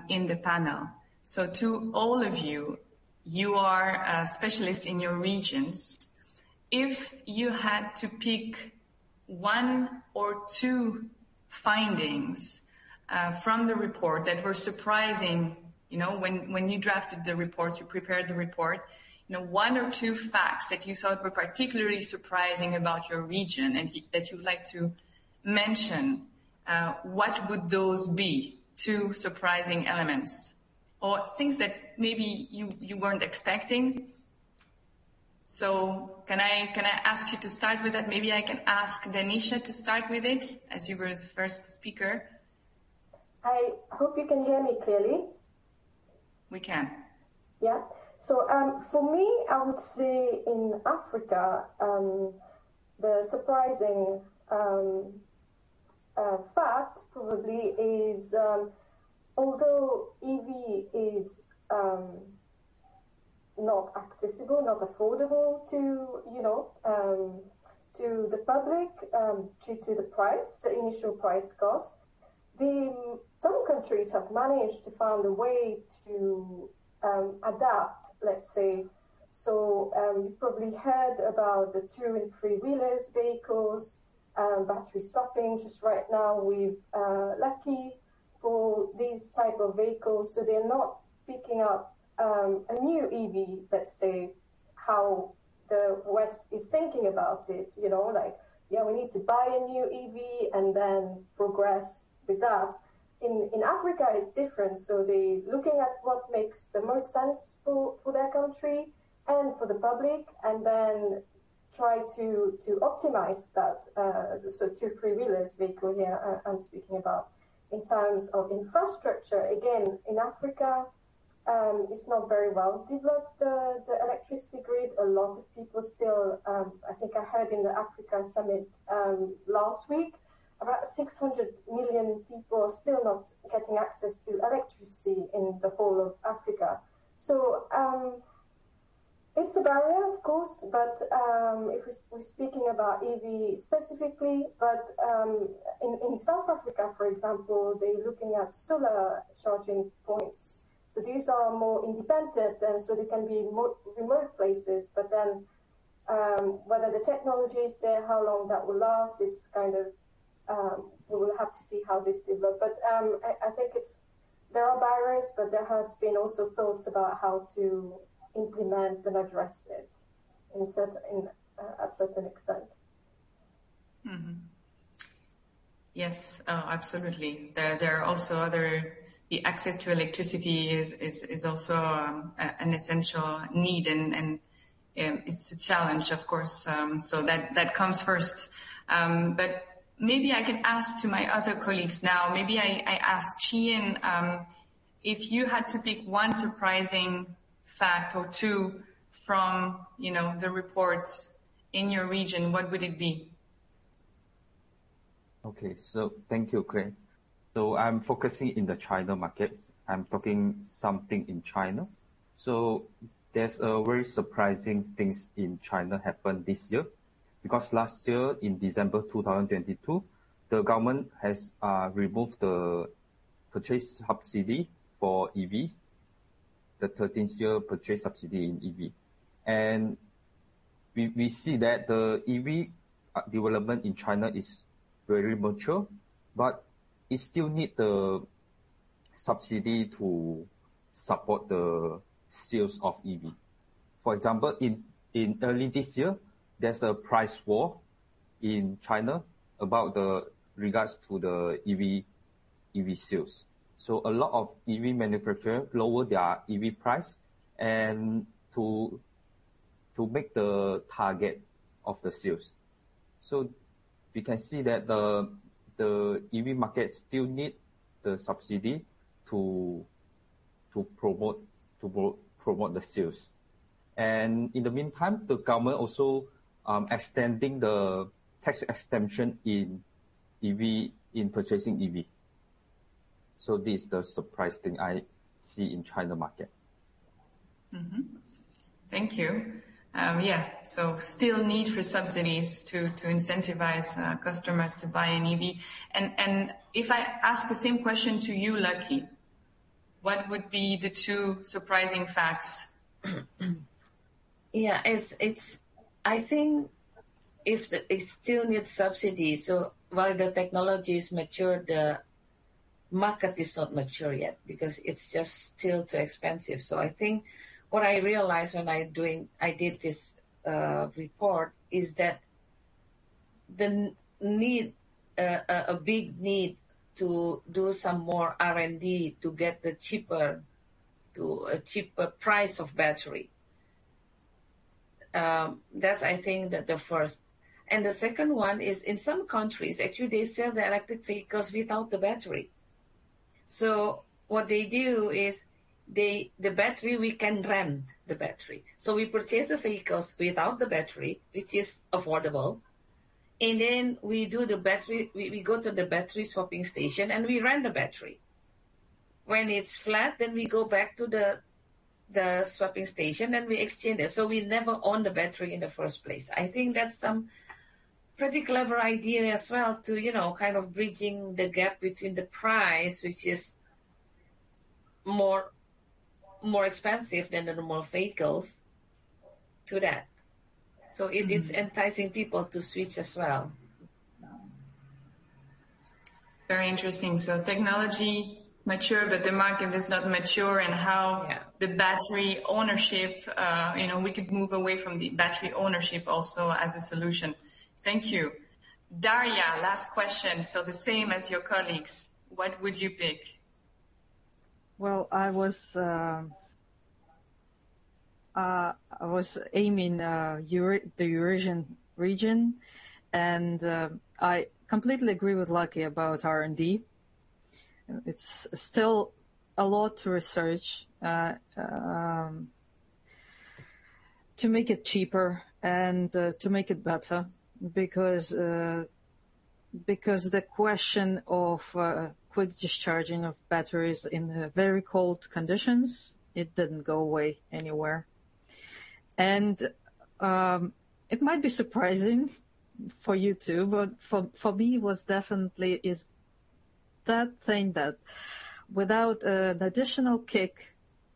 in the panel. So to all of you, you are a specialist in your regions. If you had to pick one or two findings from the report that were surprising, you know, when you drafted the report, you prepared the report, you know, one or two facts that you thought were particularly surprising about your region and that you'd like to mention, what would those be? Two surprising elements or things that maybe you weren't expecting. So can I ask you to start with that? Maybe I can ask Dhanisha to start with it, as you were the first speaker. I hope you can hear me clearly. We can. Yeah. So, for me, I would say in Africa, the surprising fact probably is, although EV is not accessible, not affordable to, you know, to the public due to the price, the initial price cost. Some countries have managed to find a way to adapt, let's say. So, you've probably heard about the two and three wheelers vehicles, battery swapping. Just right now, with Lucky for these type of vehicles, so they're not picking up a new EV, let's say, how the West is thinking about it, you know, like, "Yeah, we need to buy a new EV and then progress with that." In Africa, it's different. So they looking at what makes the most sense for their country and for the public, and then try to optimize that, so two-, three-wheelers vehicles here, I'm speaking about. In terms of infrastructure, again, in Africa, it's not very well developed, the electricity grid. A lot of people still... I think I heard in the Africa Summit last week about 600 million people are still not getting access to electricity in the whole of Africa. So, it's a barrier, of course, but if we're speaking about EV specifically, in South Africa, for example, they're looking at solar charging points. So these are more independent, and so they can be in remote places. But then, whether the technology is there, how long that will last, it's kind of, we will have to see how this develop. But, I think there are barriers, but there has been also thoughts about how to implement and address it in certain, a certain extent. Mm-hmm. Yes, absolutely. There are also other... The access to electricity is also an essential need, and it's a challenge, of course, so that comes first. But maybe I can ask to my other colleagues now. Maybe I ask Chee, if you had to pick one surprising fact or two from, you know, the reports in your region, what would it be? Okay. So thank you, Claire. So I'm focusing in the China market. I'm talking something in China. So there's a very surprising things in China happened this year, because last year, in December 2022, the government has removed the purchase subsidy for EV, the 13-year purchase subsidy in EV. And we see that the EV development in China is very mature, but it still need the subsidy to support the sales of EV. For example, in early this year, there's a price war in China about the regards to the EV sales. So a lot of EV manufacturer lowered their EV price and to make the target of the sales. So we can see that the EV market still need the subsidy to promote the sales. In the meantime, the government also extending the tax extension in EV, in purchasing EV. So this is the surprise thing I see in China market. Mm-hmm. Thank you. Yeah, so still need for subsidies to incentivize customers to buy an EV. And if I ask the same question to you, Lucky, what would be the two surprising facts? Yeah, it's... I think if it still needs subsidies. So while the technology is mature, the market is not mature yet because it's just still too expensive. So I think what I realized when I doing, I did this report, is that the need, a big need to do some more R&D to get the cheaper, to a cheaper price of battery. That's I think that the first. And the second one is, in some countries, actually, they sell the electric vehicles without the battery. So what they do is they, the battery, we can rent the battery. So we purchase the vehicles without the battery, which is affordable, and then we go to the battery swapping station, and we rent the battery. When it's flat, then we go back to the swapping station, and we exchange it. So we never own the battery in the first place. I think that's some pretty clever idea as well to, you know, kind of bridging the gap between the price, which is more, more expensive than the normal vehicles to that. Mm-hmm. It is enticing people to switch as well. Very interesting. So technology mature, but the market is not mature, and how- Yeah The battery ownership, you know, we could move away from the battery ownership also as a solution. Thank you. Daria, last question. So the same as your colleagues, what would you pick? Well, I was aiming the Eurasian region, and I completely agree with Lucky about R&D. It's still a lot to research to make it cheaper and to make it better, because the question of quick discharging of batteries in very cold conditions, it didn't go away anywhere. And it might be surprising for you, too, but for me, it was definitely is that thing that without the additional kick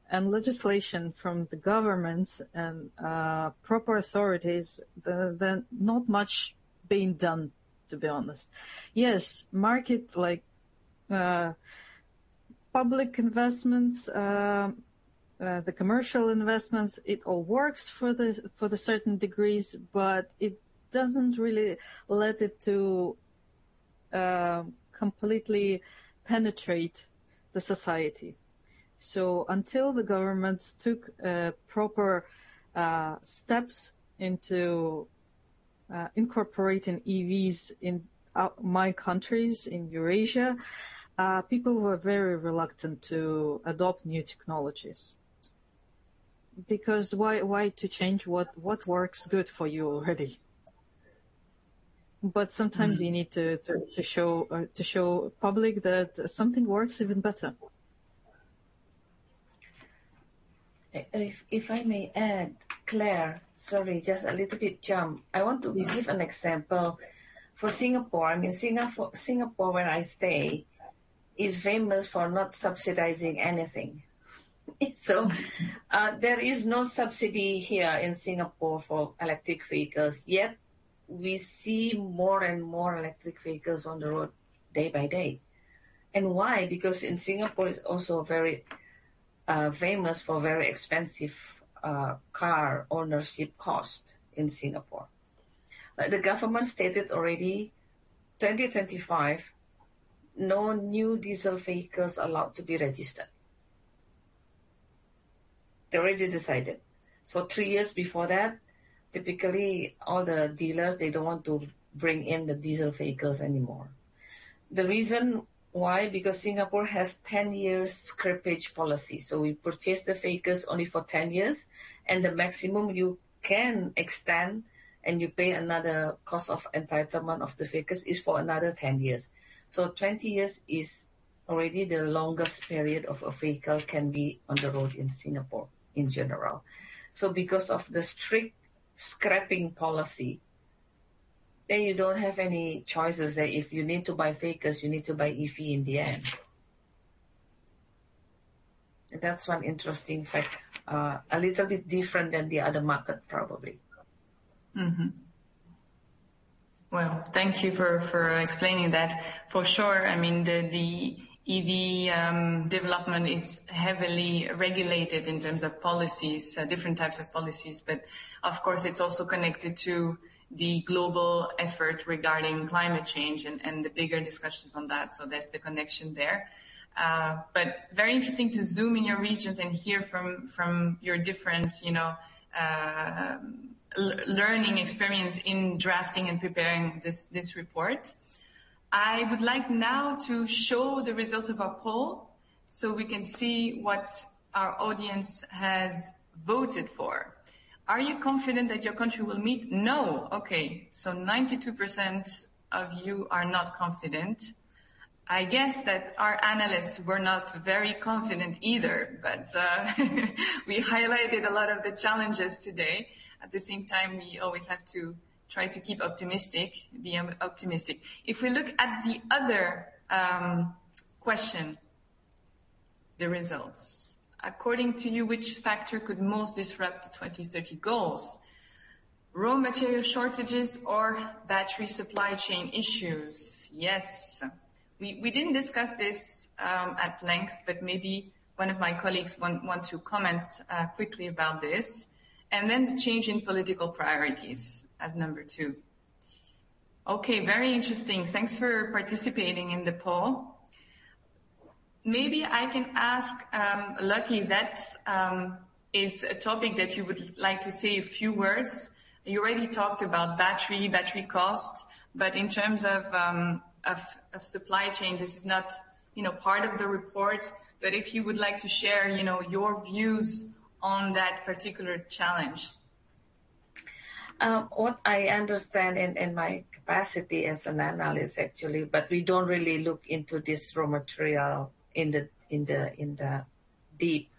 and legislation from the governments and proper authorities, the not much being done, to be honest. Yes, market like. Public investments, the commercial investments, it all works for the certain degrees, but it doesn't really let it to completely penetrate the society. So until the governments took proper steps into incorporating EVs in my countries, in Eurasia, people were very reluctant to adopt new technologies. Because why to change what works good for you already? But sometimes you need to show the public that something works even better. If I may add, Claire, sorry, just a little bit jump. I want to give an example for Singapore. I mean, Singapore, where I stay, is famous for not subsidizing anything. So, there is no subsidy here in Singapore for electric vehicles. Yet, we see more and more electric vehicles on the road day by day. And why? Because in Singapore, it's also very famous for very expensive car ownership cost in Singapore. But the government stated already, 2025, no new diesel vehicles allowed to be registered. They already decided. So three years before that, typically, all the dealers, they don't want to bring in the diesel vehicles anymore. The reason why, because Singapore has 10 years scrappage policy, so we purchase the vehicles only for 10 years, and the maximum you can extend, and you pay another cost of entitlement of the vehicles, is for another 10 years. So 20 years is already the longest period of a vehicle can be on the road in Singapore in general. So because of the strict scrapping policy, then you don't have any choices that if you need to buy vehicles, you need to buy EV in the end. That's one interesting fact, a little bit different than the other market, probably. Mm-hmm. Well, thank you for explaining that. For sure, I mean, the EV development is heavily regulated in terms of policies, different types of policies, but of course, it's also connected to the global effort regarding climate change and the bigger discussions on that. So there's the connection there. But very interesting to zoom in your regions and hear from your different, you know, learning experience in drafting and preparing this report. I would like now to show the results of our poll, so we can see what our audience has voted for. Are you confident that your country will meet? No. Okay, so 92% of you are not confident. I guess that our analysts were not very confident either, but we highlighted a lot of the challenges today. At the same time, we always have to try to keep optimistic, be optimistic. If we look at the other question, the results. According to you, which factor could most disrupt the 2030 goals? Raw material shortages or battery supply chain issues. Yes. We didn't discuss this at length, but maybe one of my colleagues want to comment quickly about this. And then the change in political priorities as number two. Okay, very interesting. Thanks for participating in the poll. Maybe I can ask Lucky, that is a topic that you would like to say a few words. You already talked about battery costs, but in terms of supply chain, this is not, you know, part of the report, but if you would like to share, you know, your views on that particular challenge. What I understand in my capacity as an analyst, actually, but we don't really look into this raw material in the deep.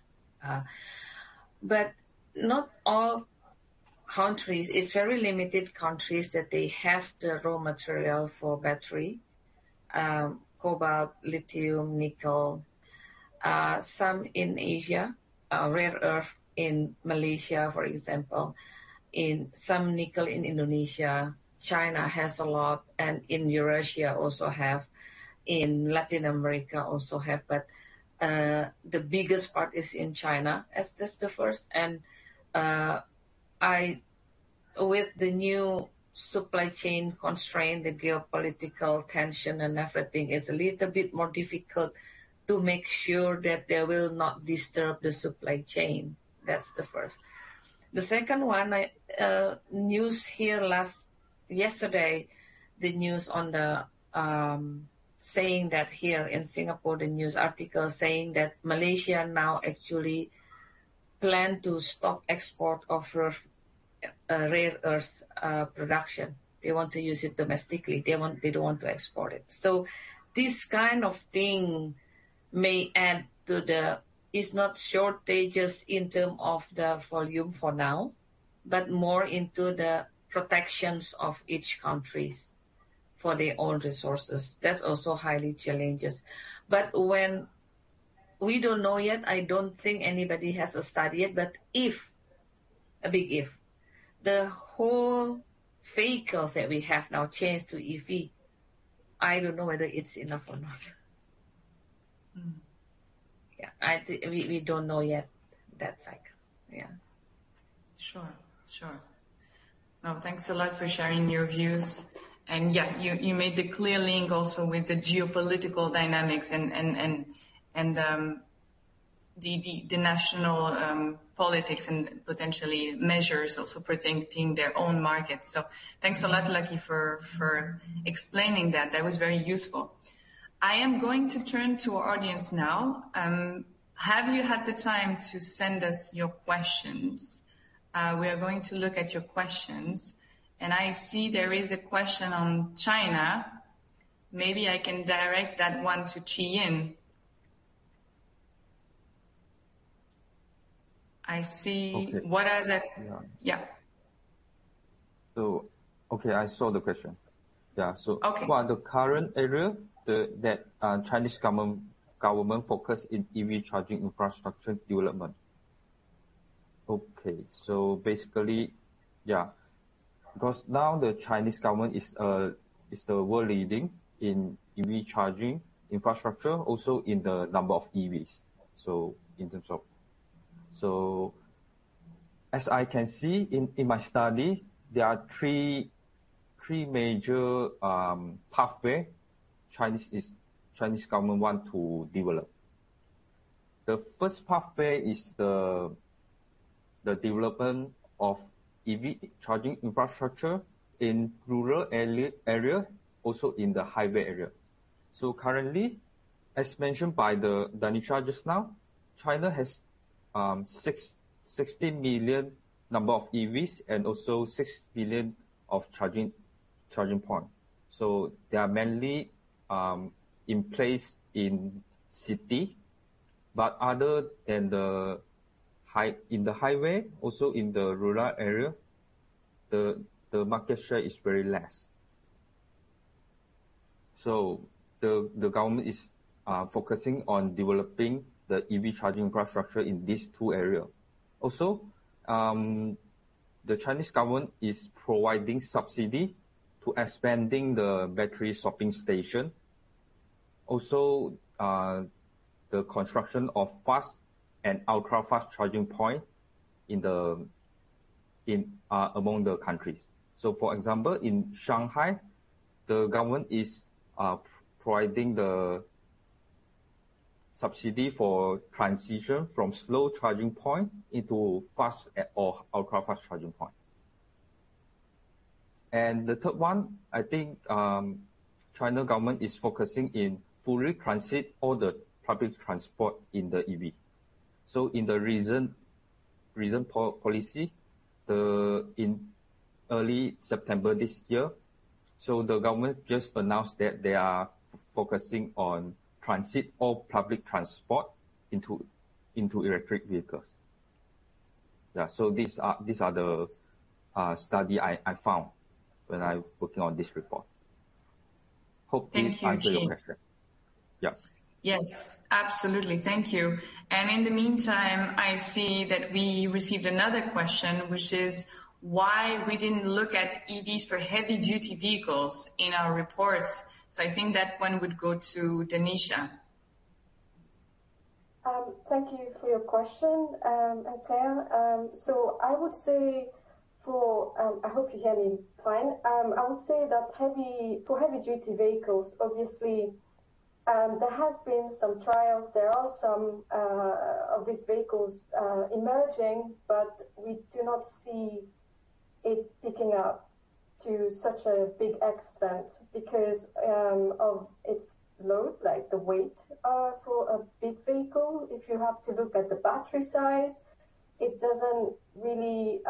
But not all countries, it's very limited countries that they have the raw material for battery, cobalt, lithium, nickel, some in Asia, rare earth in Malaysia, for example, in some nickel in Indonesia. China has a lot, and in Eurasia also have, in Latin America also have, but, the biggest part is in China, as that's the first and, I-- With the new supply chain constraint, the geopolitical tension and everything, is a little bit more difficult to make sure that they will not disturb the supply chain. That's the first. The second one, I news here last yesterday, the news on the saying that here in Singapore, the news article saying that Malaysia now actually plan to stop export of earth, rare earth, production. They want to use it domestically. They want—They don't want to export it. So this kind of thing may add to the... It's not shortages in term of the volume for now, but more into the protections of each countries for their own resources. That's also highly challenges. But when... We don't know yet, I don't think anybody has a study yet, but if-... a big if, the whole vehicles that we have now changed to EV, I don't know whether it's enough or not. Mm. Yeah, we, we don't know yet that fact. Yeah. Sure. Sure. Now, thanks a lot for sharing your views. Yeah, you made the clear link also with the geopolitical dynamics and the national politics and potentially measures also protecting their own markets. So thanks a lot, Lucky, for explaining that. That was very useful. I am going to turn to our audience now. Have you had the time to send us your questions? We are going to look at your questions, and I see there is a question on China. Maybe I can direct that one to Chee. I see- Okay. What are the- Yeah. Yeah. Okay, I saw the question. Yeah, so. Okay. What are the current areas that the Chinese government focuses on in EV charging infrastructure development? Okay. So basically, yeah, because now the Chinese government is the world leading in EV charging infrastructure, also in the number of EVs. So in terms of... So as I can see in my study, there are three major pathways Chinese government want to develop. The first pathway is the development of EV charging infrastructure in rural areas, also in the highway areas. So currently, as mentioned by the Dhanisha just now, China has 16 million EVs and also 6 million charging points. So they are mainly in place in cities, but other than in the highway, also in the rural areas, the market share is very less. So the government is focusing on developing the EV charging infrastructure in these two areas. Also, the Chinese government is providing subsidy to expanding the battery swapping station. Also, the construction of fast and ultra-fast charging point in among the countries. So for example, in Shanghai, the government is providing the subsidy for transition from slow charging point into fast or ultra-fast charging point. And the third one, I think, China government is focusing in fully transit all the public transport in the EV. So in the recent policy, in early September this year, so the government just announced that they are focusing on transit all public transport into electric vehicles. Yeah, so these are the study I found when I working on this report. Hope this answer your question. Thank you, Chee. Yes. Yes, absolutely. Thank you. In the meantime, I see that we received another question, which is why we didn't look at EVs for heavy duty vehicles in our reports. So I think that one would go to Dhanisha. Thank you for your question, Claire. I hope you hear me fine. I would say that for heavy duty vehicles, obviously, there has been some trials. There are some of these vehicles emerging, but we do not see it picking up to such a big extent because of its load, like the weight, for a big vehicle, if you have to look at the battery size, it doesn't really.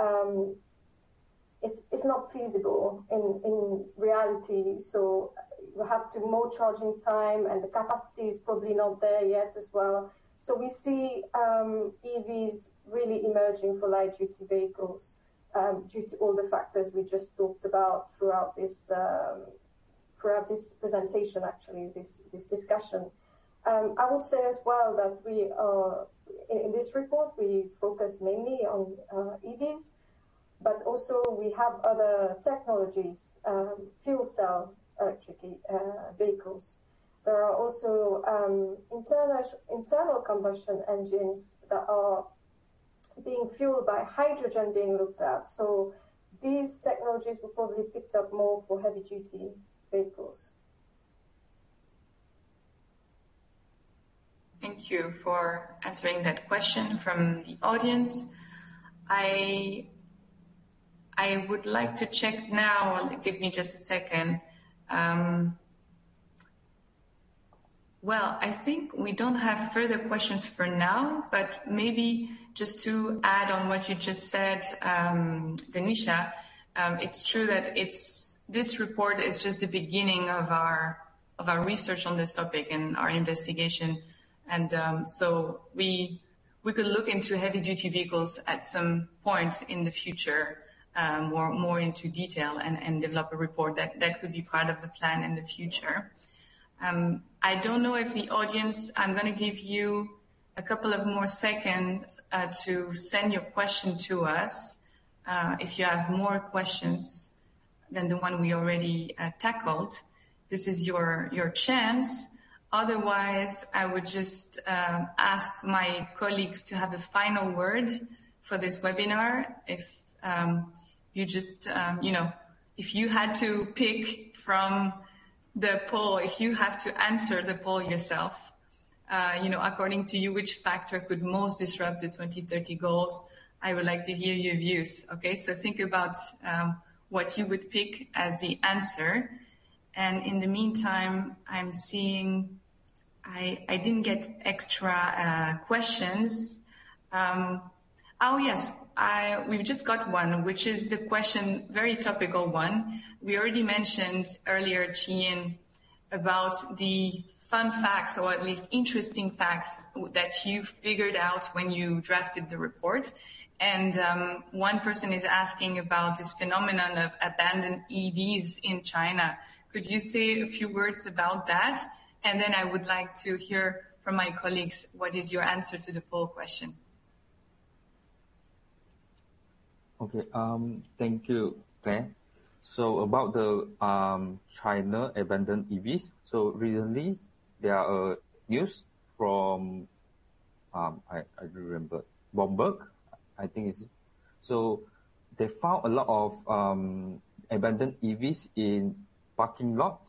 It's not feasible in reality, so you have more charging time, and the capacity is probably not there yet as well. So we see EVs really emerging for light duty vehicles due to all the factors we just talked about throughout this presentation, actually, this discussion. I would say as well that we are, in this report, we focus mainly on EVs, but also we have other technologies, fuel cell electric vehicles. There are also internal combustion engines that are being fueled by hydrogen being looked at. So these technologies were probably picked up more for heavy-duty vehicles. Thank you for answering that question from the audience. I would like to check now. Give me just a second. Well, I think we don't have further questions for now, but maybe just to add on what you just said, Dhanisha, it's true that it's... This report is just the beginning of our research on this topic and our investigation, and so we could look into heavy duty vehicles at some point in the future, more into detail and develop a report that could be part of the plan in the future. I don't know if the audience, I'm gonna give you a couple of more seconds to send your question to us. If you have more questions than the one we already tackled, this is your chance. Otherwise, I would just ask my colleagues to have a final word for this webinar. If you just, you know, if you had to pick from the poll, if you have to answer the poll yourself, you know, according to you, which factor could most disrupt the 2030 goals? I would like to hear your views. Okay, so think about what you would pick as the answer. In the meantime, I'm seeing I didn't get extra questions. Oh, yes, we've just got one, which is the question, very topical one. We already mentioned earlier, Chee, about the fun facts or at least interesting facts that you figured out when you drafted the report. And one person is asking about this phenomenon of abandoned EVs in China. Could you say a few words about that? And then I would like to hear from my colleagues what is your answer to the poll question? Okay. Thank you, Claire. So about the China abandoned EVs. So recently, there are a news from, I remember, Bloomberg, I think is it. So they found a lot of abandoned EVs in parking lot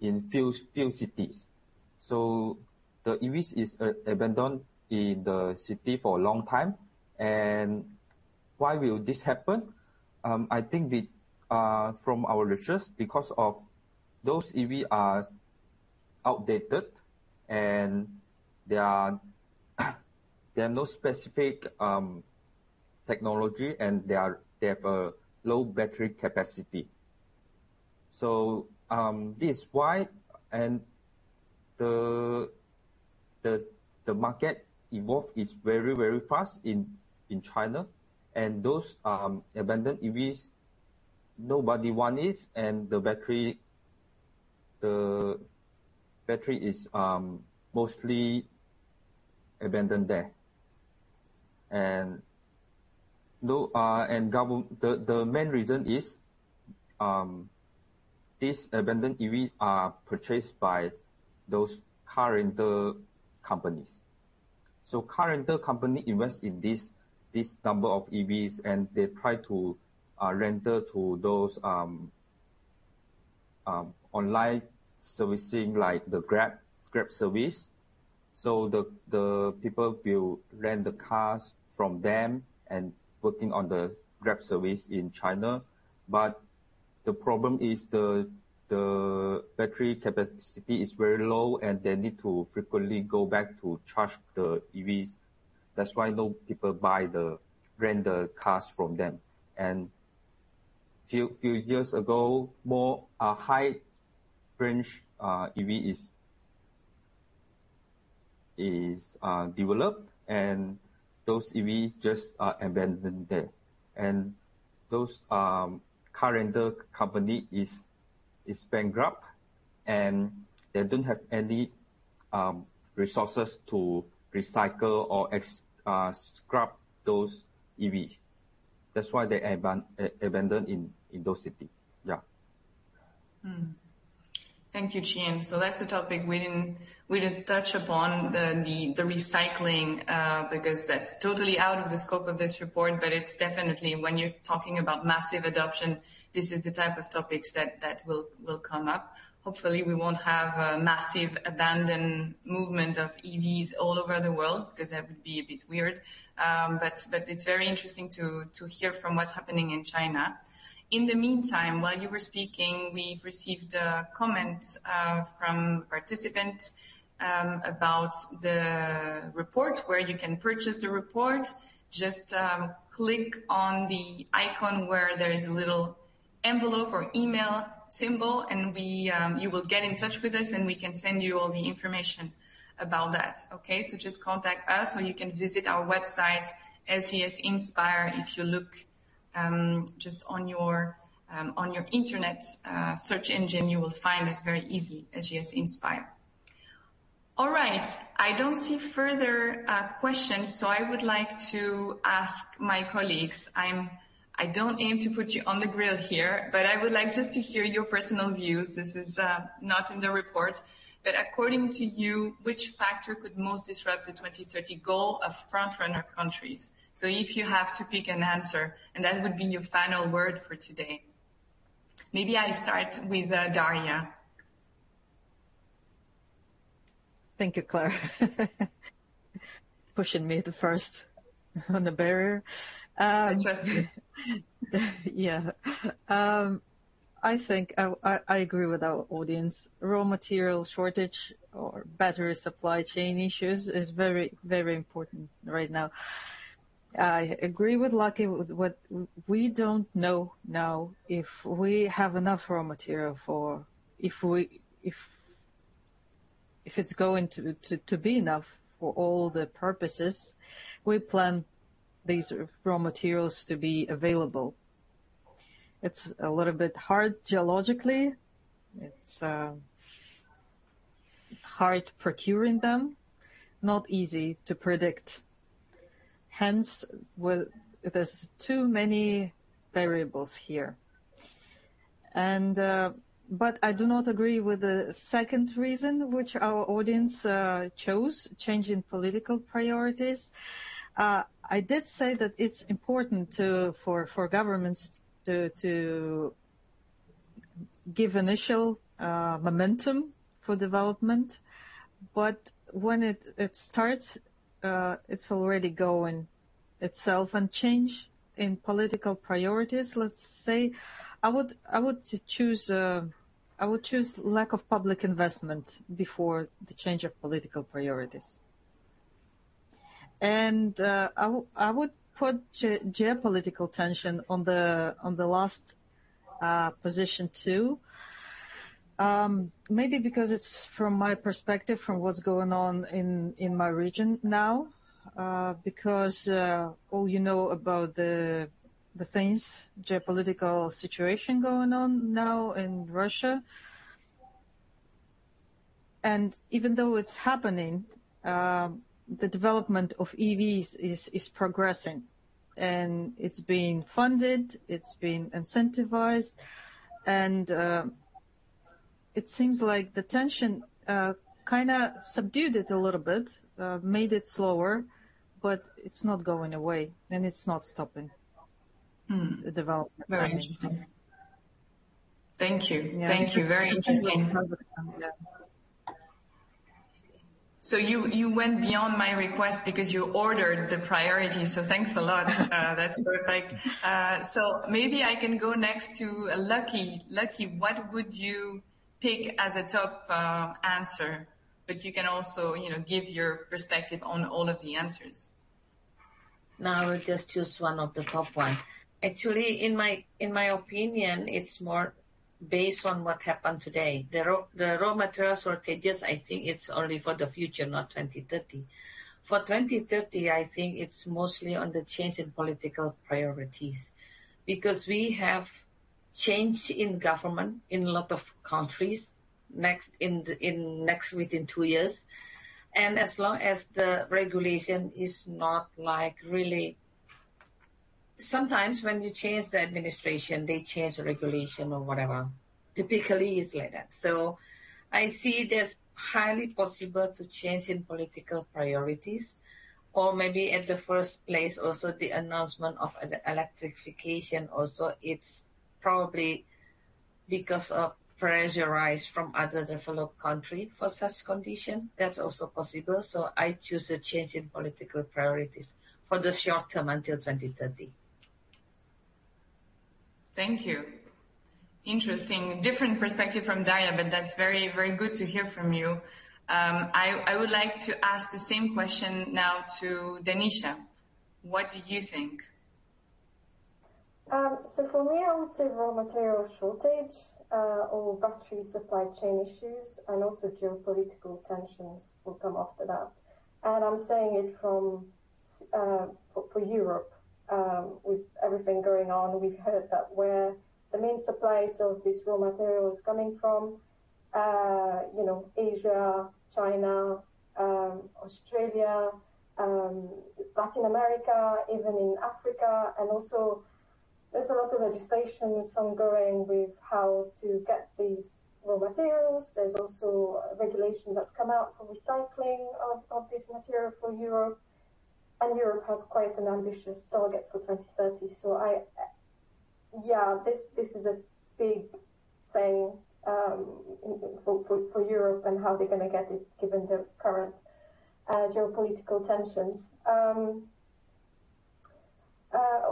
in few, few cities. So the EVs is abandoned in the city for a long time. And why will this happen? I think the from our research, because of those EV are outdated, and there are, there are no specific technology, and they have a low battery capacity. So this is why and the, the, the market evolve is very, very fast in China, and those abandoned EVs, nobody want it, and the battery, the battery is mostly abandoned there. And though, and government... The main reason is, this abandoned EVs are purchased by those car rental companies. So car rental company invest in this number of EVs, and they try to rent to those online services, like the Grab service. So the people will rent the cars from them and working on the Grab service in China. But the problem is the battery capacity is very low, and they need to frequently go back to charge the EVs. That's why no people buy the rental cars from them. And few years ago, a high range EV is developed, and those EV just are abandoned there. And those car rental company is bankrupt, and they don't have any resources to recycle or scrap those EV. That's why they abandoned in those city. Yeah. Thank you, Chee. So that's a topic we didn't touch upon, the recycling, because that's totally out of the scope of this report, but it's definitely when you're talking about massive adoption, this is the type of topics that will come up. Hopefully, we won't have a massive abandoned movement of EVs all over the world, because that would be a bit weird. But it's very interesting to hear from what's happening in China. In the meantime, while you were speaking, we've received a comment from a participant about the report, where you can purchase the report. Just click on the icon where there is a little envelope or email symbol, and you will get in touch with us, and we can send you all the information about that, okay? So just contact us, or you can visit our website, SGS INSPIRE. If you look, just on your, on your internet, search engine, you will find us very easy, SGS INSPIRE. All right. I don't see further questions, so I would like to ask my colleagues. I don't aim to put you on the grill here, but I would like just to hear your personal views. This is not in the report, but according to you, which factor could most disrupt the 2030 goal of front-runner countries? So if you have to pick an answer, and that would be your final word for today. Maybe I start with Daria. Thank you, Claire. Pushing me the first on the barrier. I trust you. Yeah. I think I agree with our audience. Raw material shortage or battery supply chain issues is very, very important right now. I agree with Lucky, with what we don't know now if we have enough raw material for if it's going to be enough for all the purposes we plan these raw materials to be available. It's a little bit hard geologically. It's hard procuring them, not easy to predict. Hence, well, there's too many variables here. And but I do not agree with the second reason, which our audience chose, change in political priorities. I did say that it's important for governments to give initial momentum for development, but when it starts, it's already going itself and change in political priorities. Let's say, I would choose lack of public investment before the change of political priorities. And I would put geopolitical tension on the last position, too. Maybe because it's from my perspective, from what's going on in my region now, because all you know about the things, geopolitical situation going on now in Russia. Even though it's happening, the development of EVs is progressing, and it's being funded, it's being incentivized, and it seems like the tension kinda subdued it a little bit, made it slower, but it's not going away, and it's not stopping, the development. Very interesting. Thank you. Yeah. Thank you. Very interesting. Yeah. So you went beyond my request because you ordered the priority, so thanks a lot. That's perfect. So maybe I can go next to Lucky. Lucky, what would you pick as a top answer? But you can also, you know, give your perspective on all of the answers. No, I will just choose one of the top one. Actually, in my opinion, it's more based on what happened today. The raw material shortages, I think it's only for the future, not 2030. For 2030, I think it's mostly on the change in political priorities, because we have change in government in a lot of countries next, within two years. And as long as the regulation is not like really... Sometimes when you change the administration, they change the regulation or whatever. Typically, it's like that. So I see there's highly possible to change in political priorities, or maybe at the first place, also, the announcement of the electrification also, it's probably because of pressure rise from other developed country for such condition. That's also possible. I choose a change in political priorities for the short term until 2030. Thank you. Interesting. Different perspective from Daria, but that's very, very good to hear from you. I would like to ask the same question now to Dhanisha. What do you think? So for me, I would say raw material shortage, or battery supply chain issues and also geopolitical tensions will come after that. And I'm saying it from for Europe, with everything going on, we've heard that where the main supplies of this raw material is coming from, you know, Asia, China, Australia, Latin America, even in Africa. And also there's a lot of legislation ongoing with how to get these raw materials. There's also regulations that's come out for recycling of this material for Europe, and Europe has quite an ambitious target for 2030. So I, yeah, this is a big thing, for Europe and how they're gonna get it, given the current geopolitical tensions.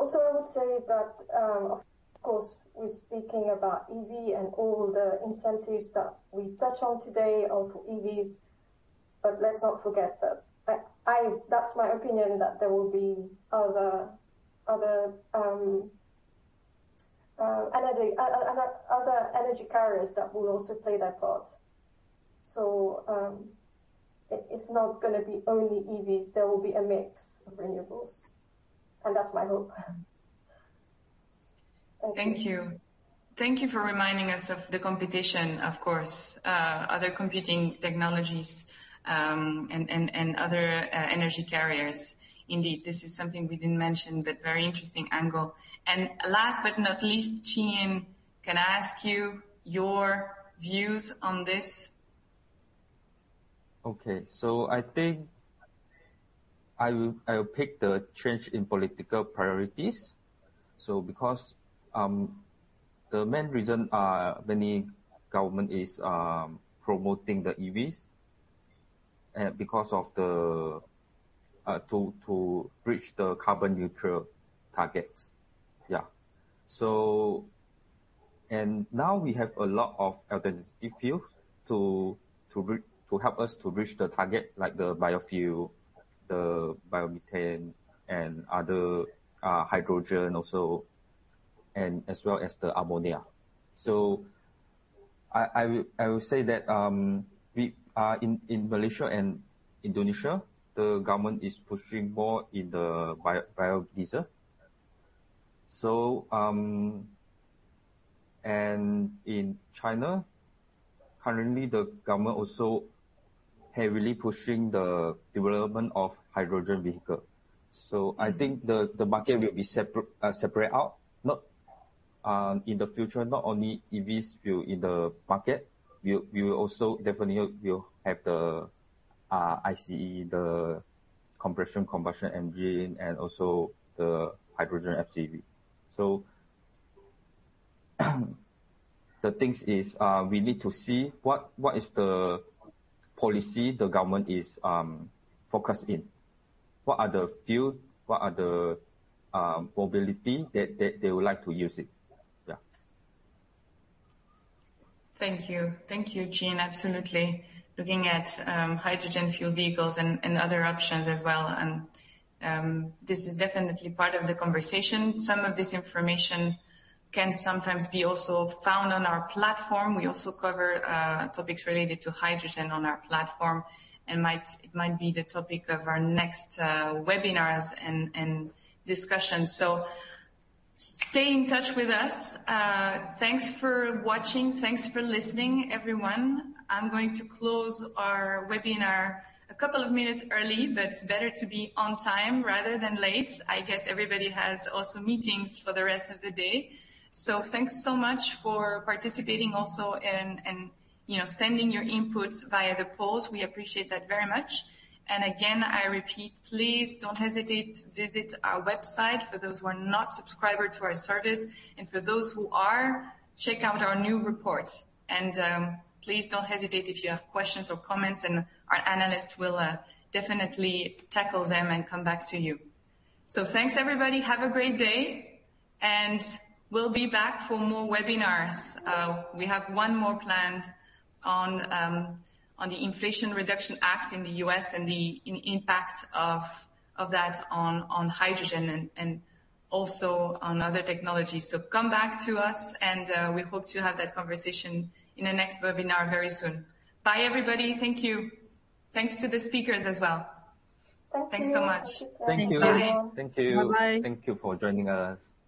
Also, I would say that, of course, we're speaking about EV and all the incentives that we touch on today of EVs, but let's not forget that, that's my opinion, that there will be other energy carriers that will also play their part. So, it's not gonna be only EVs, there will be a mix of renewables, and that's my hope. Thank you. Thank you for reminding us of the competition, of course, other competing technologies, and other energy carriers. Indeed, this is something we didn't mention, but very interesting angle. And last but not least, Chee, can I ask you your views on this? Okay. So I think I will pick the change in political priorities. So because the main reason many government is promoting the EVs because of to reach the carbon-neutral targets. Yeah. So... And now we have a lot of alternative fuels to help us to reach the target, like the biofuel, the biomethane and other hydrogen also, and as well as the ammonia. So... I will say that we in Malaysia and Indonesia, the government is pushing more in the biodiesel. So, and in China, currently, the government also heavily pushing the development of hydrogen vehicle. So I think the market will be separate out, not in the future, not only EVs will in the market, we will, we will also definitely will have the ICE, the compression combustion engine, and also the hydrogen FCV. So, the thing is, we need to see what is the policy the government is focused in? What are the fuel? What are the mobility that they, they would like to use it? Yeah. Thank you. Thank you, Gene. Absolutely. Looking at hydrogen fuel vehicles and other options as well, and this is definitely part of the conversation. Some of this information can sometimes be also found on our platform. We also cover topics related to hydrogen on our platform, and it might be the topic of our next webinars and discussion. So stay in touch with us. Thanks for watching. Thanks for listening, everyone. I'm going to close our webinar a couple of minutes early, but it's better to be on time rather than late. I guess everybody has also meetings for the rest of the day. So thanks so much for participating also and, you know, sending your inputs via the polls. We appreciate that very much. And again, I repeat, please don't hesitate to visit our website for those who are not subscribed to our service, and for those who are, check out our new report. Please don't hesitate if you have questions or comments and our analyst will, definitely tackle them and come back to you. Thanks, everybody. Have a great day, and we'll be back for more webinars. We have one more planned on, on the Inflation Reduction Act in the U.S. and the impact of, that on, hydrogen and, also on other technologies. Come back to us and, we hope to have that conversation in the next webinar very soon. Bye, everybody. Thank you. Thanks to the speakers as well. Thank you. Thanks so much. Thank you. Bye. Thank you. Bye-bye. Thank you for joining us.